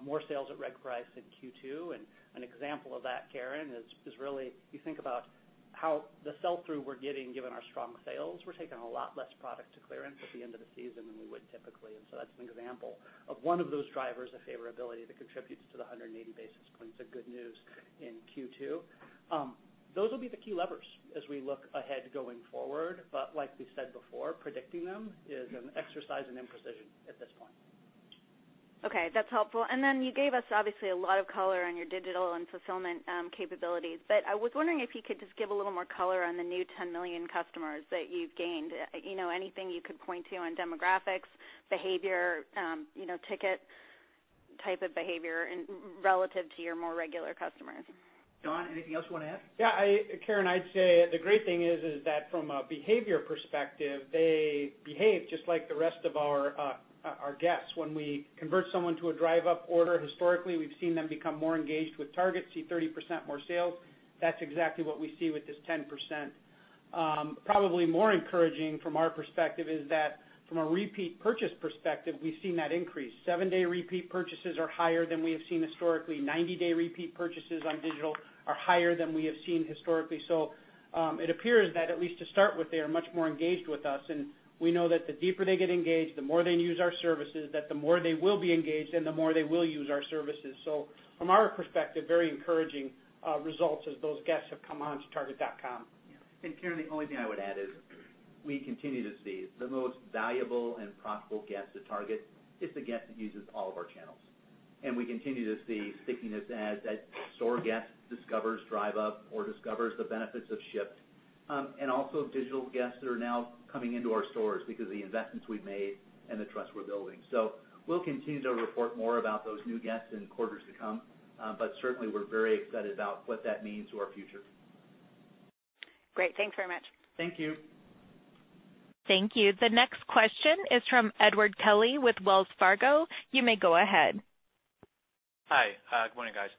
[SPEAKER 5] more sales at reg price in Q2. An example of that, Karen, is really you think about how the sell-through we're getting, given our strong sales, we're taking a lot less product to clearance at the end of the season than we would typically. That's an example of one of those drivers of favorability that contributes to the 180 basis points of good news in Q2. Those will be the key levers as we look ahead going forward. Like we said before, predicting them is an exercise in imprecision at this point.
[SPEAKER 6] Okay, that's helpful. You gave us obviously a lot of color on your digital and fulfillment capabilities, but I was wondering if you could just give a little more color on the new 10 million customers that you've gained. Anything you could point to on demographics, behavior, ticket type of behavior relative to your more regular customers?
[SPEAKER 3] John, anything else you want to add?
[SPEAKER 4] Yeah, Karen, I'd say the great thing is that from a behavior perspective, they behave just like the rest of our guests. When we convert someone to a Drive Up order, historically, we've seen them become more engaged with Target, see 30% more sales. That's exactly what we see with this 10%. Probably more encouraging from our perspective is that from a repeat purchase perspective, we've seen that increase. Seven-day repeat purchases are higher than we have seen historically. 90-day repeat purchases on digital are higher than we have seen historically. It appears that at least to start with, they are much more engaged with us, and we know that the deeper they get engaged, the more they use our services, that the more they will be engaged and the more they will use our services. From our perspective, very encouraging results as those guests have come onto target.com.
[SPEAKER 3] Karen, the only thing I would add is we continue to see the most valuable and profitable guest at Target is the guest that uses all of our channels. We continue to see stickiness as that store guest discovers Drive Up or discovers the benefits of Shipt. Also digital guests that are now coming into our stores because of the investments we've made and the trust we're building. We'll continue to report more about those new guests in quarters to come. Certainly, we're very excited about what that means to our future.
[SPEAKER 6] Great. Thanks very much.
[SPEAKER 3] Thank you.
[SPEAKER 1] Thank you. The next question is from Edward Kelly with Wells Fargo. You may go ahead.
[SPEAKER 7] Hi. Good morning, guys.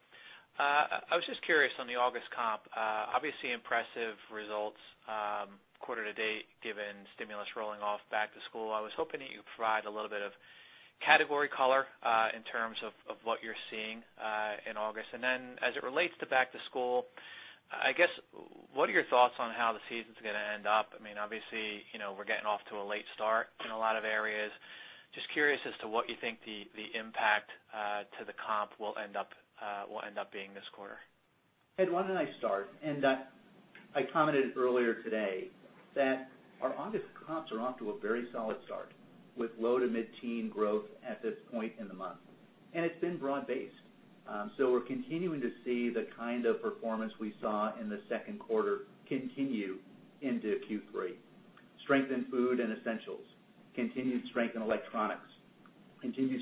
[SPEAKER 7] I was just curious on the August comp. Obviously impressive results quarter to date, given stimulus rolling off back to school. Then as it relates to back to school, I guess, what are your thoughts on how the season's gonna end up? Obviously, we're getting off to a late start in a lot of areas. Just curious as to what you think the impact to the comp will end up being this quarter.
[SPEAKER 3] Ed, why don't I start? I commented earlier today that our August comps are off to a very solid start with low- to mid-teen growth at this point in the month. It's been broad-based. We're continuing to see the kind of performance we saw in the second quarter continue into Q3. Strength in food and essentials, continued strength in electronics, continued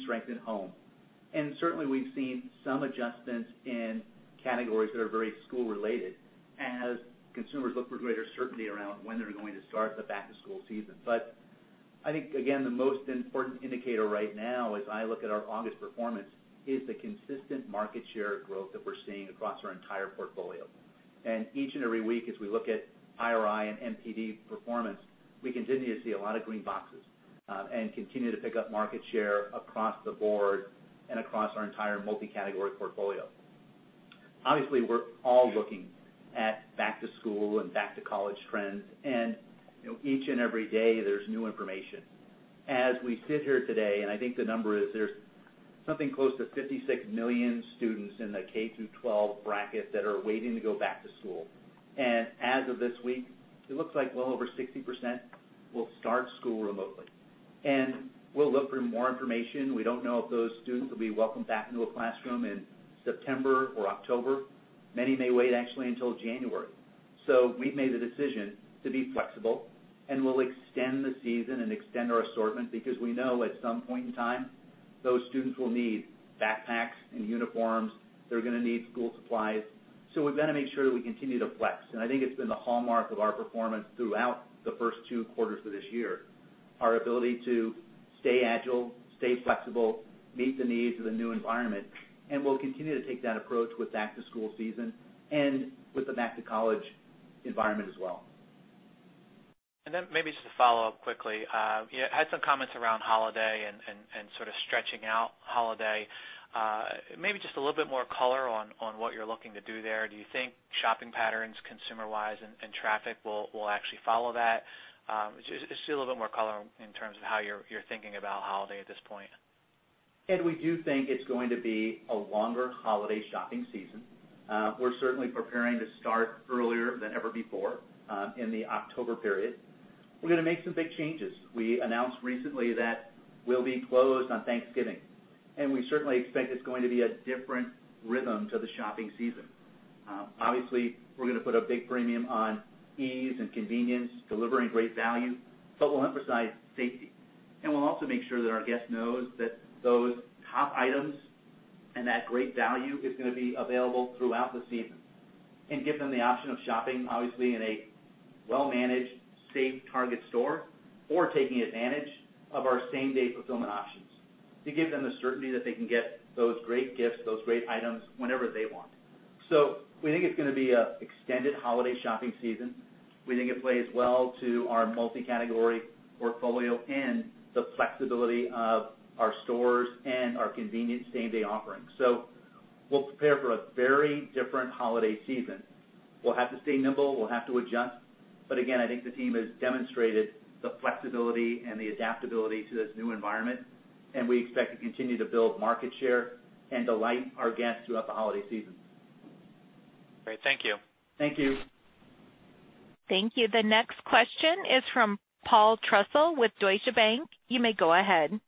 [SPEAKER 3] strength in home. Certainly, we've seen some adjustments in categories that are very school-related as consumers look for greater certainty around when they're going to start the back-to-school season. I think, again, the most important indicator right now as I look at our August performance is the consistent market share growth that we're seeing across our entire portfolio. Each and every week, as we look at IRI and NPD performance, we continue to see a lot of green boxes, and continue to pick up market share across the board and across our entire multi-category portfolio. Obviously, we're all looking at back to school and back to college trends. Each and every day, there's new information. As we sit here today, and I think the number is, there's something close to 56 million students in the K through 12 bracket that are waiting to go back to school. As of this week, it looks like well over 60% will start school remotely. We'll look for more information. We don't know if those students will be welcomed back into a classroom in September or October. Many may wait actually until January. We've made the decision to be flexible, and we'll extend the season and extend our assortment because we know at some point in time, those students will need backpacks and uniforms. They're going to need school supplies. We've got to make sure that we continue to flex. I think it's been the hallmark of our performance throughout the first two quarters of this year, our ability to stay agile, stay flexible, meet the needs of the new environment, and we'll continue to take that approach with back to school season and with the back to college environment as well.
[SPEAKER 7] Maybe just to follow up quickly. You had some comments around holiday and sort of stretching out holiday. Maybe just a little bit more color on what you're looking to do there. Do you think shopping patterns consumer-wise and traffic will actually follow that? Just a little bit more color in terms of how you're thinking about holiday at this point.
[SPEAKER 3] Ed, we do think it's going to be a longer holiday shopping season. We're certainly preparing to start earlier than ever before, in the October period. We're going to make some big changes. We announced recently that we'll be closed on Thanksgiving, and we certainly expect it's going to be a different rhythm to the shopping season. Obviously, we're going to put a big premium on ease and convenience, delivering great value, but we'll emphasize safety. We'll also make sure that our guest knows that those top items and that great value is going to be available throughout the season. Give them the option of shopping, obviously in a well-managed, safe Target store or taking advantage of our same-day fulfillment options to give them the certainty that they can get those great gifts, those great items whenever they want. We think it's going to be an extended holiday shopping season. We think it plays well to our multi-category portfolio and the flexibility of our stores and our convenient same-day offerings. We'll prepare for a very different holiday season. We'll have to stay nimble, we'll have to adjust. Again, I think the team has demonstrated the flexibility and the adaptability to this new environment, and we expect to continue to build market share and delight our guests throughout the holiday season.
[SPEAKER 7] Great. Thank you.
[SPEAKER 3] Thank you.
[SPEAKER 1] Thank you. The next question is from Paul Trussell with Deutsche Bank. You may go ahead.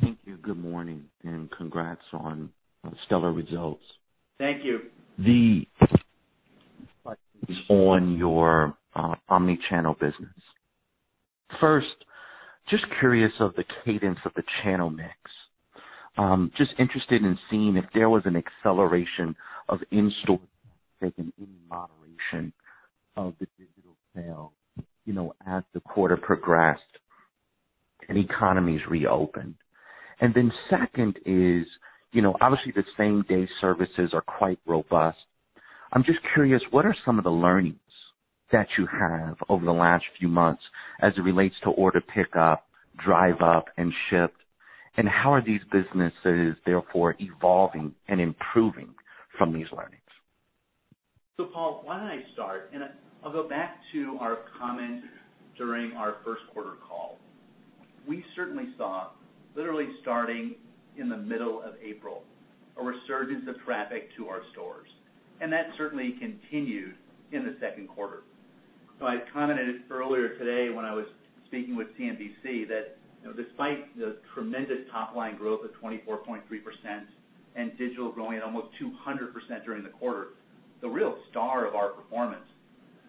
[SPEAKER 8] Thank you. Good morning, and congrats on stellar results.
[SPEAKER 3] Thank you.
[SPEAKER 8] The on your omni-channel business. Just curious of the cadence of the channel mix. Just interested in seeing if there was an acceleration of in-store and in moderation of the digital sale as the quarter progressed and economies reopened. Second is, obviously the same-day services are quite robust. I'm just curious, what are some of the learnings that you have over the last few months as it relates to order pickup, Drive Up, and Shipt? How are these businesses therefore evolving and improving from these learnings?
[SPEAKER 3] Paul, why don't I start? And I'll go back to our comment during our first quarter call. We certainly saw, literally starting in the middle of April, a resurgence of traffic to our stores, and that certainly continued in the second quarter. I commented earlier today when I was speaking with CNBC that despite the tremendous top-line growth of 24.3% and digital growing at almost 200% during the quarter, the real star of our performance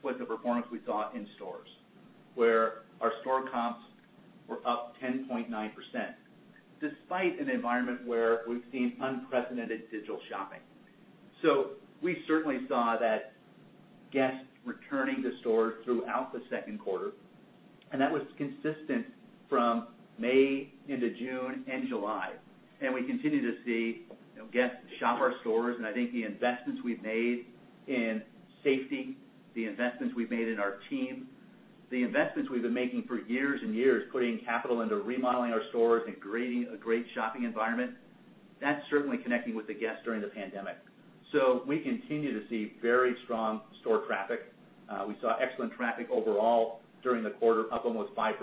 [SPEAKER 3] was the performance we saw in stores, where our store comps were up 10.9%, despite an environment where we've seen unprecedented digital shopping. We certainly saw that guests returning to stores throughout the second quarter, and that was consistent from May into June and July. We continue to see guests shop our stores. I think the investments we've made in safety, the investments we've made in our team, the investments we've been making for years and years, putting capital into remodeling our stores and creating a great shopping environment, that's certainly connecting with the guests during the pandemic. We continue to see very strong store traffic. We saw excellent traffic overall during the quarter, up almost 5%.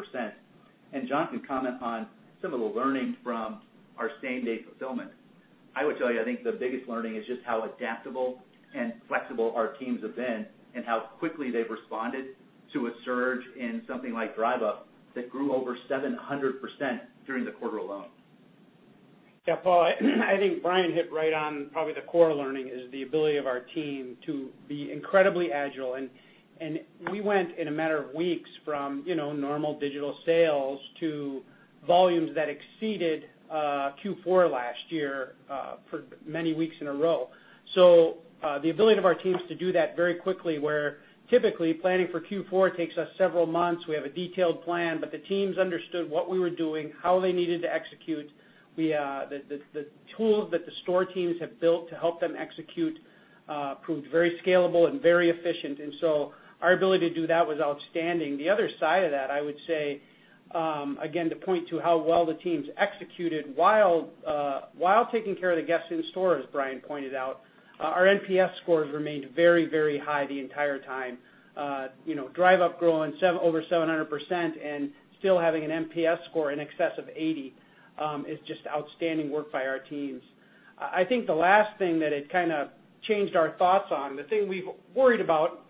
[SPEAKER 3] John can comment on some of the learnings from our same-day fulfillment. I would tell you, I think the biggest learning is just how adaptable and flexible our teams have been and how quickly they've responded to a surge in something like Drive Up that grew over 700% during the quarter alone.
[SPEAKER 4] Paul, I think Brian hit right on probably the core learning is the ability of our team to be incredibly agile. We went in a matter of weeks from normal digital sales to volumes that exceeded Q4 last year for many weeks in a row. The ability of our teams to do that very quickly, where typically planning for Q4 takes us several months. We have a detailed plan, but the teams understood what we were doing, how they needed to execute. The tools that the store teams have built to help them execute proved very scalable and very efficient. Our ability to do that was outstanding. The other side of that, I would say, again, to point to how well the teams executed while taking care of the guests in store, as Brian pointed out, our NPS scores remained very, very high the entire time. Drive Up growing over 700% and still having an NPS score in excess of 80 is just outstanding work by our teams. I think the last thing that it kind of changed our thoughts on, the thing we've worried about,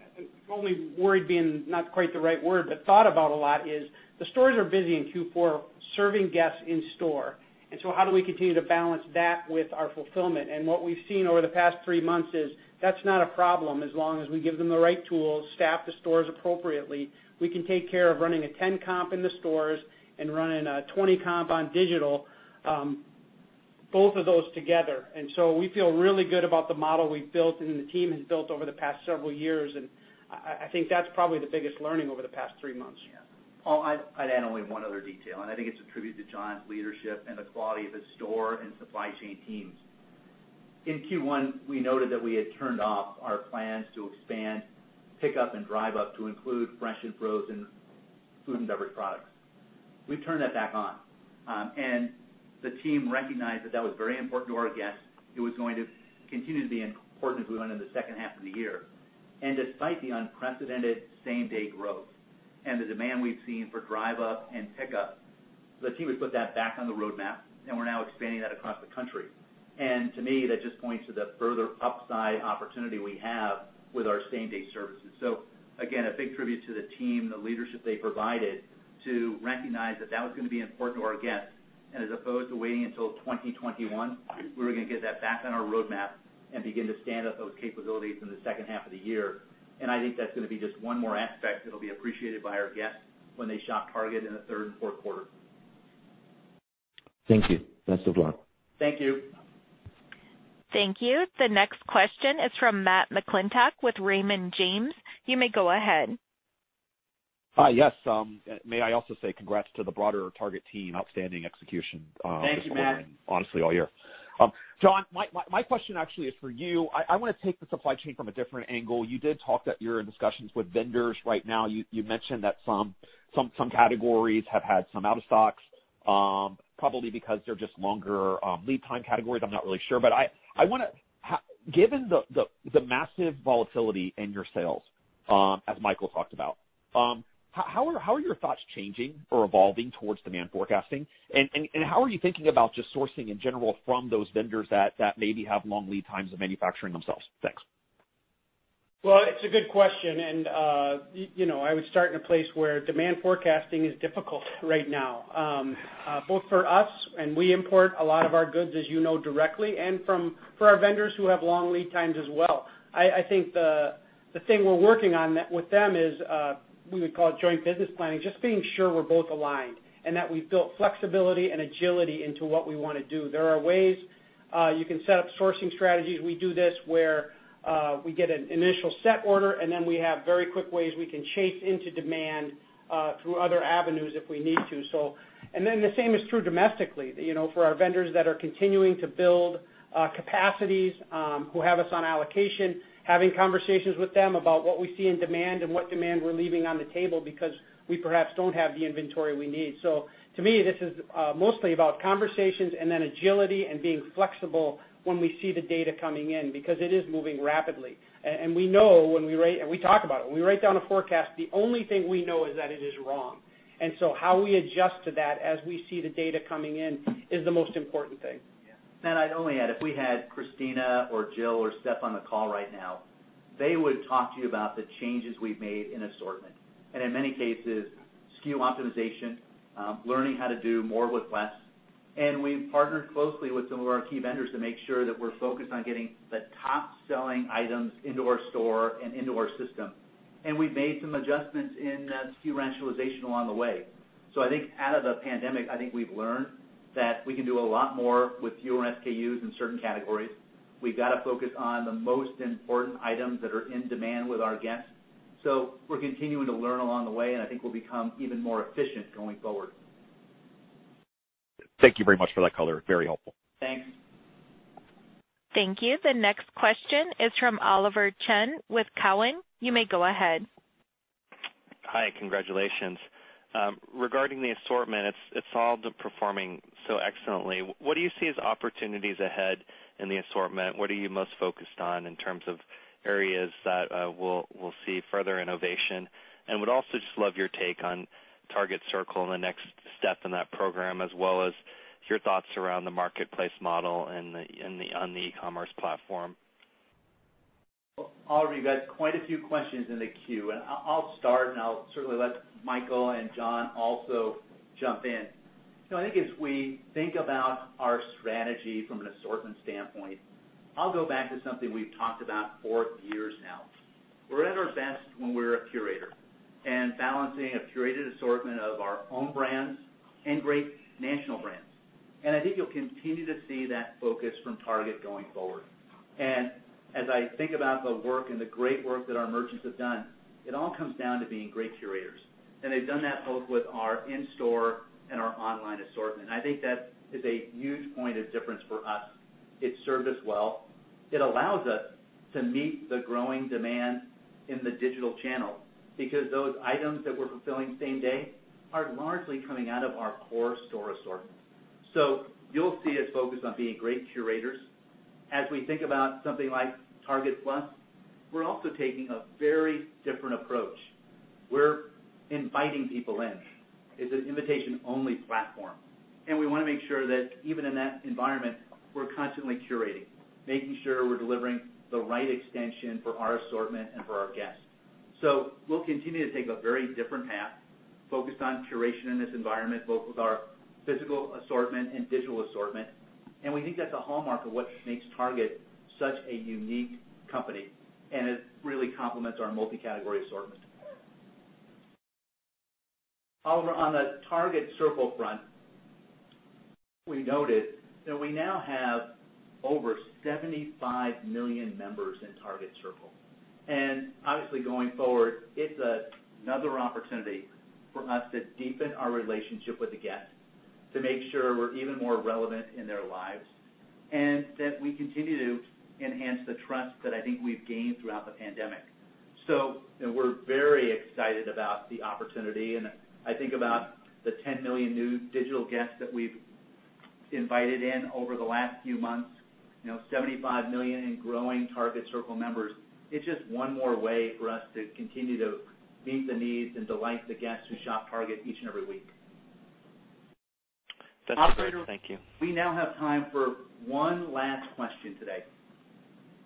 [SPEAKER 4] worried being not quite the right word, but thought about a lot is the stores are busy in Q4, serving guests in store. How do we continue to balance that with our fulfillment? What we've seen over the past three months is that's not a problem as long as we give them the right tools, staff the stores appropriately. We can take care of running a 10 comp in the stores and running a 20 comp on digital, both of those together. We feel really good about the model we've built and the team has built over the past several years, and I think that's probably the biggest learning over the past three months.
[SPEAKER 3] Yeah. Paul, I'd add only one other detail. I think it's a tribute to John's leadership and the quality of his store and supply chain teams. In Q1, we noted that we had turned off our plans to expand pickup and Drive Up to include fresh and frozen food and beverage products. We've turned that back on. The team recognized that that was very important to our guests, it was going to continue to be important as we went into the second half of the year. Despite the unprecedented same-day growth and the demand we've seen for Drive Up and pickup, the team has put that back on the roadmap, and we're now expanding that across the country. To me, that just points to the further upside opportunity we have with our same-day services. Again, a big tribute to the team, the leadership they provided to recognize that that was going to be important to our guests. As opposed to waiting until 2021, we were going to get that back on our roadmap and begin to stand up those capabilities in the second half of the year. I think that's going to be just one more aspect that'll be appreciated by our guests when they shop Target in the third and fourth quarter.
[SPEAKER 8] Thank you. Best of luck.
[SPEAKER 3] Thank you.
[SPEAKER 1] Thank you. The next question is from Matt McClintock with Raymond James. You may go ahead.
[SPEAKER 9] Hi. Yes. May I also say congrats to the broader Target team. Outstanding execution.
[SPEAKER 3] Thank you, Matt.
[SPEAKER 9] This quarter, and honestly, all year. John, my question actually is for you. I want to take the supply chain from a different angle. You did talk that you're in discussions with vendors right now. You mentioned that some categories have had some out of stocks, probably because they're just longer lead time categories. I'm not really sure. Given the massive volatility in your sales, as Michael talked about, how are your thoughts changing or evolving towards demand forecasting? How are you thinking about just sourcing in general from those vendors that maybe have long lead times of manufacturing themselves? Thanks.
[SPEAKER 4] Well, it's a good question, and I would start in a place where demand forecasting is difficult right now, both for us, and we import a lot of our goods, as you know, directly, and for our vendors who have long lead times as well. I think the thing we're working on with them is, we would call it joint business planning, just being sure we're both aligned and that we've built flexibility and agility into what we want to do. There are ways you can set up sourcing strategies. We do this where we get an initial set order, and then we have very quick ways we can chase into demand through other avenues if we need to, so. The same is true domestically, for our vendors that are continuing to build capacities, who have us on allocation, having conversations with them about what we see in demand and what demand we are leaving on the table because we perhaps don't have the inventory we need. To me, this is mostly about conversations and then agility and being flexible when we see the data coming in, because it is moving rapidly. We know. We talk about it. When we write down a forecast, the only thing we know is that it is wrong. How we adjust to that as we see the data coming in is the most important thing.
[SPEAKER 3] Matt, I'd only add, if we had Christina or Jill or Steph on the call right now, they would talk to you about the changes we've made in assortment. In many cases, SKU optimization, learning how to do more with less. We've partnered closely with some of our key vendors to make sure that we're focused on getting the top-selling items into our store and into our system. We've made some adjustments in SKU rationalization along the way. I think out of the pandemic, I think we've learned that we can do a lot more with fewer SKUs in certain categories. We've got to focus on the most important items that are in demand with our guests. We're continuing to learn along the way, and I think we'll become even more efficient going forward.
[SPEAKER 9] Thank you very much for that color. Very helpful.
[SPEAKER 3] Thanks.
[SPEAKER 1] Thank you. The next question is from Oliver Chen with Cowen. You may go ahead.
[SPEAKER 10] Hi. Congratulations. Regarding the assortment, it's all been performing so excellently. What do you see as opportunities ahead in the assortment? What are you most focused on in terms of areas that will see further innovation? Would also just love your take on Target Circle and the next step in that program, as well as your thoughts around the marketplace model on the e-commerce platform.
[SPEAKER 3] Oliver, you've got quite a few questions in the queue, and I'll start, and I'll certainly let Michael and John also jump in. I think as we think about our strategy from an assortment standpoint, I'll go back to something we've talked about for years now. We're at our best when we're a curator and balancing a curated assortment of our own brands and great national brands. I think you'll continue to see that focus from Target going forward. As I think about the work and the great work that our merchants have done, it all comes down to being great curators. They've done that both with our in-store and our online assortment. I think that is a huge point of difference for us. It's served us well. It allows us to meet the growing demand in the digital channel, because those items that we're fulfilling same day are largely coming out of our core store assortment. You'll see us focus on being great curators. As we think about something like Target Plus, we're also taking a very different approach. We're inviting people in. It's an invitation-only platform, and we want to make sure that even in that environment, we're constantly curating, making sure we're delivering the right extension for our assortment and for our guests. We'll continue to take a very different path focused on curation in this environment, both with our physical assortment and digital assortment. We think that's a hallmark of what makes Target such a unique company, and it really complements our multi-category assortment. Oliver, on the Target Circle front, we noted that we now have over 75 million members in Target Circle. Obviously, going forward, it's another opportunity for us to deepen our relationship with the guest, to make sure we're even more relevant in their lives, and that we continue to enhance the trust that I think we've gained throughout the pandemic. We're very excited about the opportunity, and I think about the 10 million new digital guests that we've invited in over the last few months, 75 million in growing Target Circle members. It's just one more way for us to continue to meet the needs and delight the guests who shop Target each and every week.
[SPEAKER 10] That's it, Brian. Thank you.
[SPEAKER 3] Operator, we now have time for one last question today.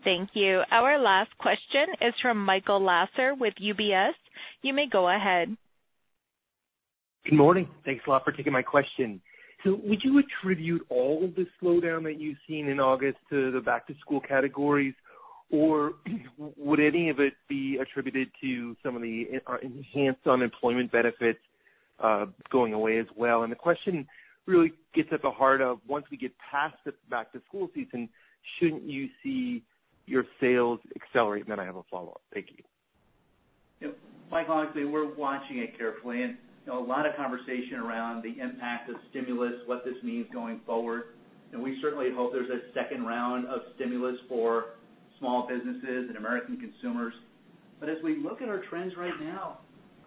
[SPEAKER 1] Thank you. Our last question is from Michael Lasser with UBS. You may go ahead.
[SPEAKER 11] Good morning. Thanks a lot for taking my question. Would you attribute all of the slowdown that you've seen in August to the back-to-school categories, or would any of it be attributed to some of the enhanced unemployment benefits going away as well? The question really gets at the heart of, once we get past the back-to-school season, shouldn't you see your sales accelerate? I have a follow-up. Thank you.
[SPEAKER 3] Mike, honestly, we're watching it carefully. A lot of conversation around the impact of stimulus, what this means going forward, and we certainly hope there's a second round of stimulus for small businesses and American consumers. As we look at our trends right now,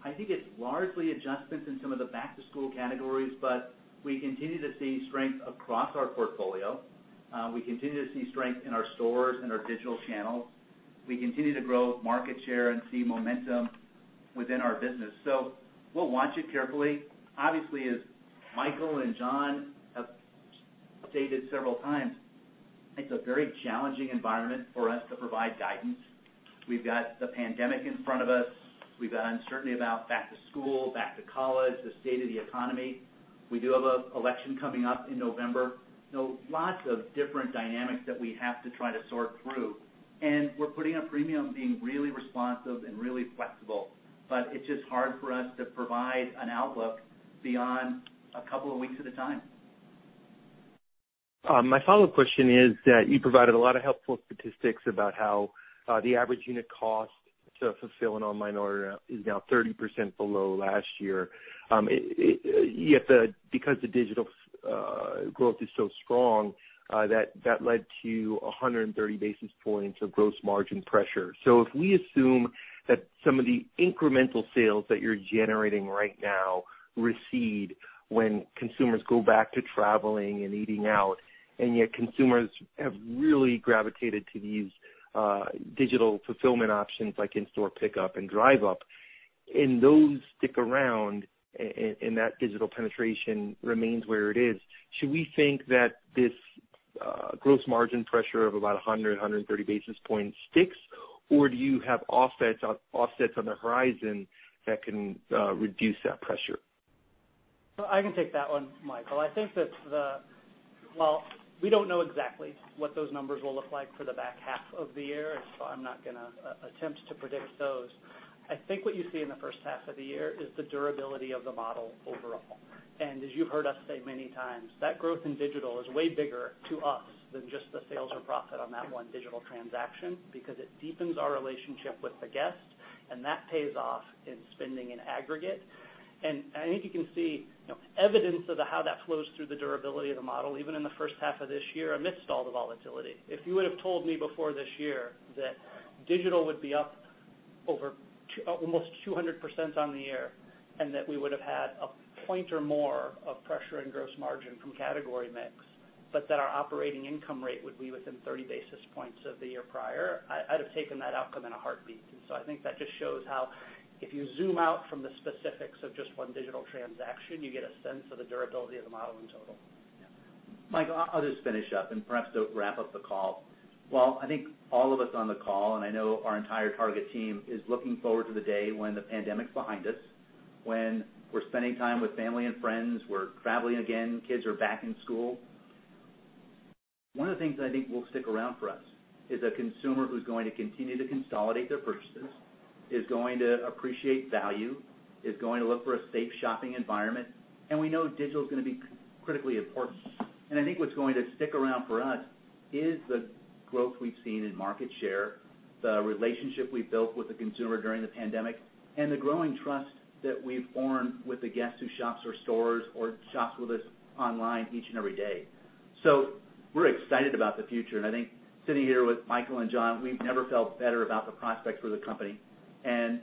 [SPEAKER 3] I think it's largely adjustments in some of the back-to-school categories, but we continue to see strength across our portfolio. We continue to see strength in our stores and our digital channels. We continue to grow market share and see momentum within our business. We'll watch it carefully. Obviously, as Michael and John have stated several times, it's a very challenging environment for us to provide guidance. We've got the pandemic in front of us. We've got uncertainty about back to school, back to college, the state of the economy. We do have an election coming up in November. Lots of different dynamics that we have to try to sort through, and we're putting a premium on being really responsive and really flexible. It's just hard for us to provide an outlook beyond a couple of weeks at a time.
[SPEAKER 11] My follow-up question is that you provided a lot of helpful statistics about how the average unit cost to fulfill an online order is now 30% below last year. Because the digital growth is so strong, that led to 130 basis points of gross margin pressure. If we assume that some of the incremental sales that you're generating right now recede when consumers go back to traveling and eating out, and yet consumers have really gravitated to these digital fulfillment options like in-store pickup and Drive Up, and those stick around, and that digital penetration remains where it is, should we think that this gross margin pressure of about 100, 130 basis points sticks, or do you have offsets on the horizon that can reduce that pressure?
[SPEAKER 5] I can take that one, Michael. Well, we don't know exactly what those numbers will look like for the back half of the year, so I'm not going to attempt to predict those. I think what you see in the first half of the year is the durability of the model overall. As you've heard us say many times, that growth in digital is way bigger to us than just the sales or profit on that one digital transaction because it deepens our relationship with the guest, and that pays off in spending in aggregate. I think you can see evidence of how that flows through the durability of the model, even in the first half of this year, amidst all the volatility. If you would have told me before this year that digital would be up over almost 200% on the year and that we would have had a point or more of pressure in gross margin from category mix, but that our operating income rate would be within 30 basis points of the year prior, I'd have taken that outcome in a heartbeat. I think that just shows how if you zoom out from the specifics of just one digital transaction, you get a sense of the durability of the model in total.
[SPEAKER 3] Michael, I'll just finish up and perhaps to wrap up the call. While I think all of us on the call, and I know our entire Target team, is looking forward to the day when the pandemic's behind us, when we're spending time with family and friends, we're traveling again, kids are back in school. One of the things that I think will stick around for us is a consumer who's going to continue to consolidate their purchases, is going to appreciate value, is going to look for a safe shopping environment, and we know digital is going to be critically important. I think what's going to stick around for us is the growth we've seen in market share, the relationship we've built with the consumer during the pandemic, and the growing trust that we've formed with the guests who shop our stores or shop with us online each and every day. We're excited about the future, and I think sitting here with Michael and John, we've never felt better about the prospects for the company, and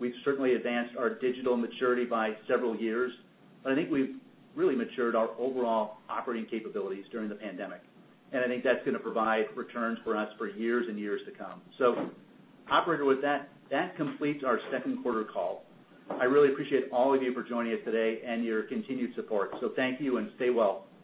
[SPEAKER 3] we've certainly advanced our digital maturity by several years. I think we've really matured our overall operating capabilities during the pandemic, and I think that's going to provide returns for us for years and years to come. Operator, with that completes our second quarter call. I really appreciate all of you for joining us today and your continued support. Thank you, and stay well.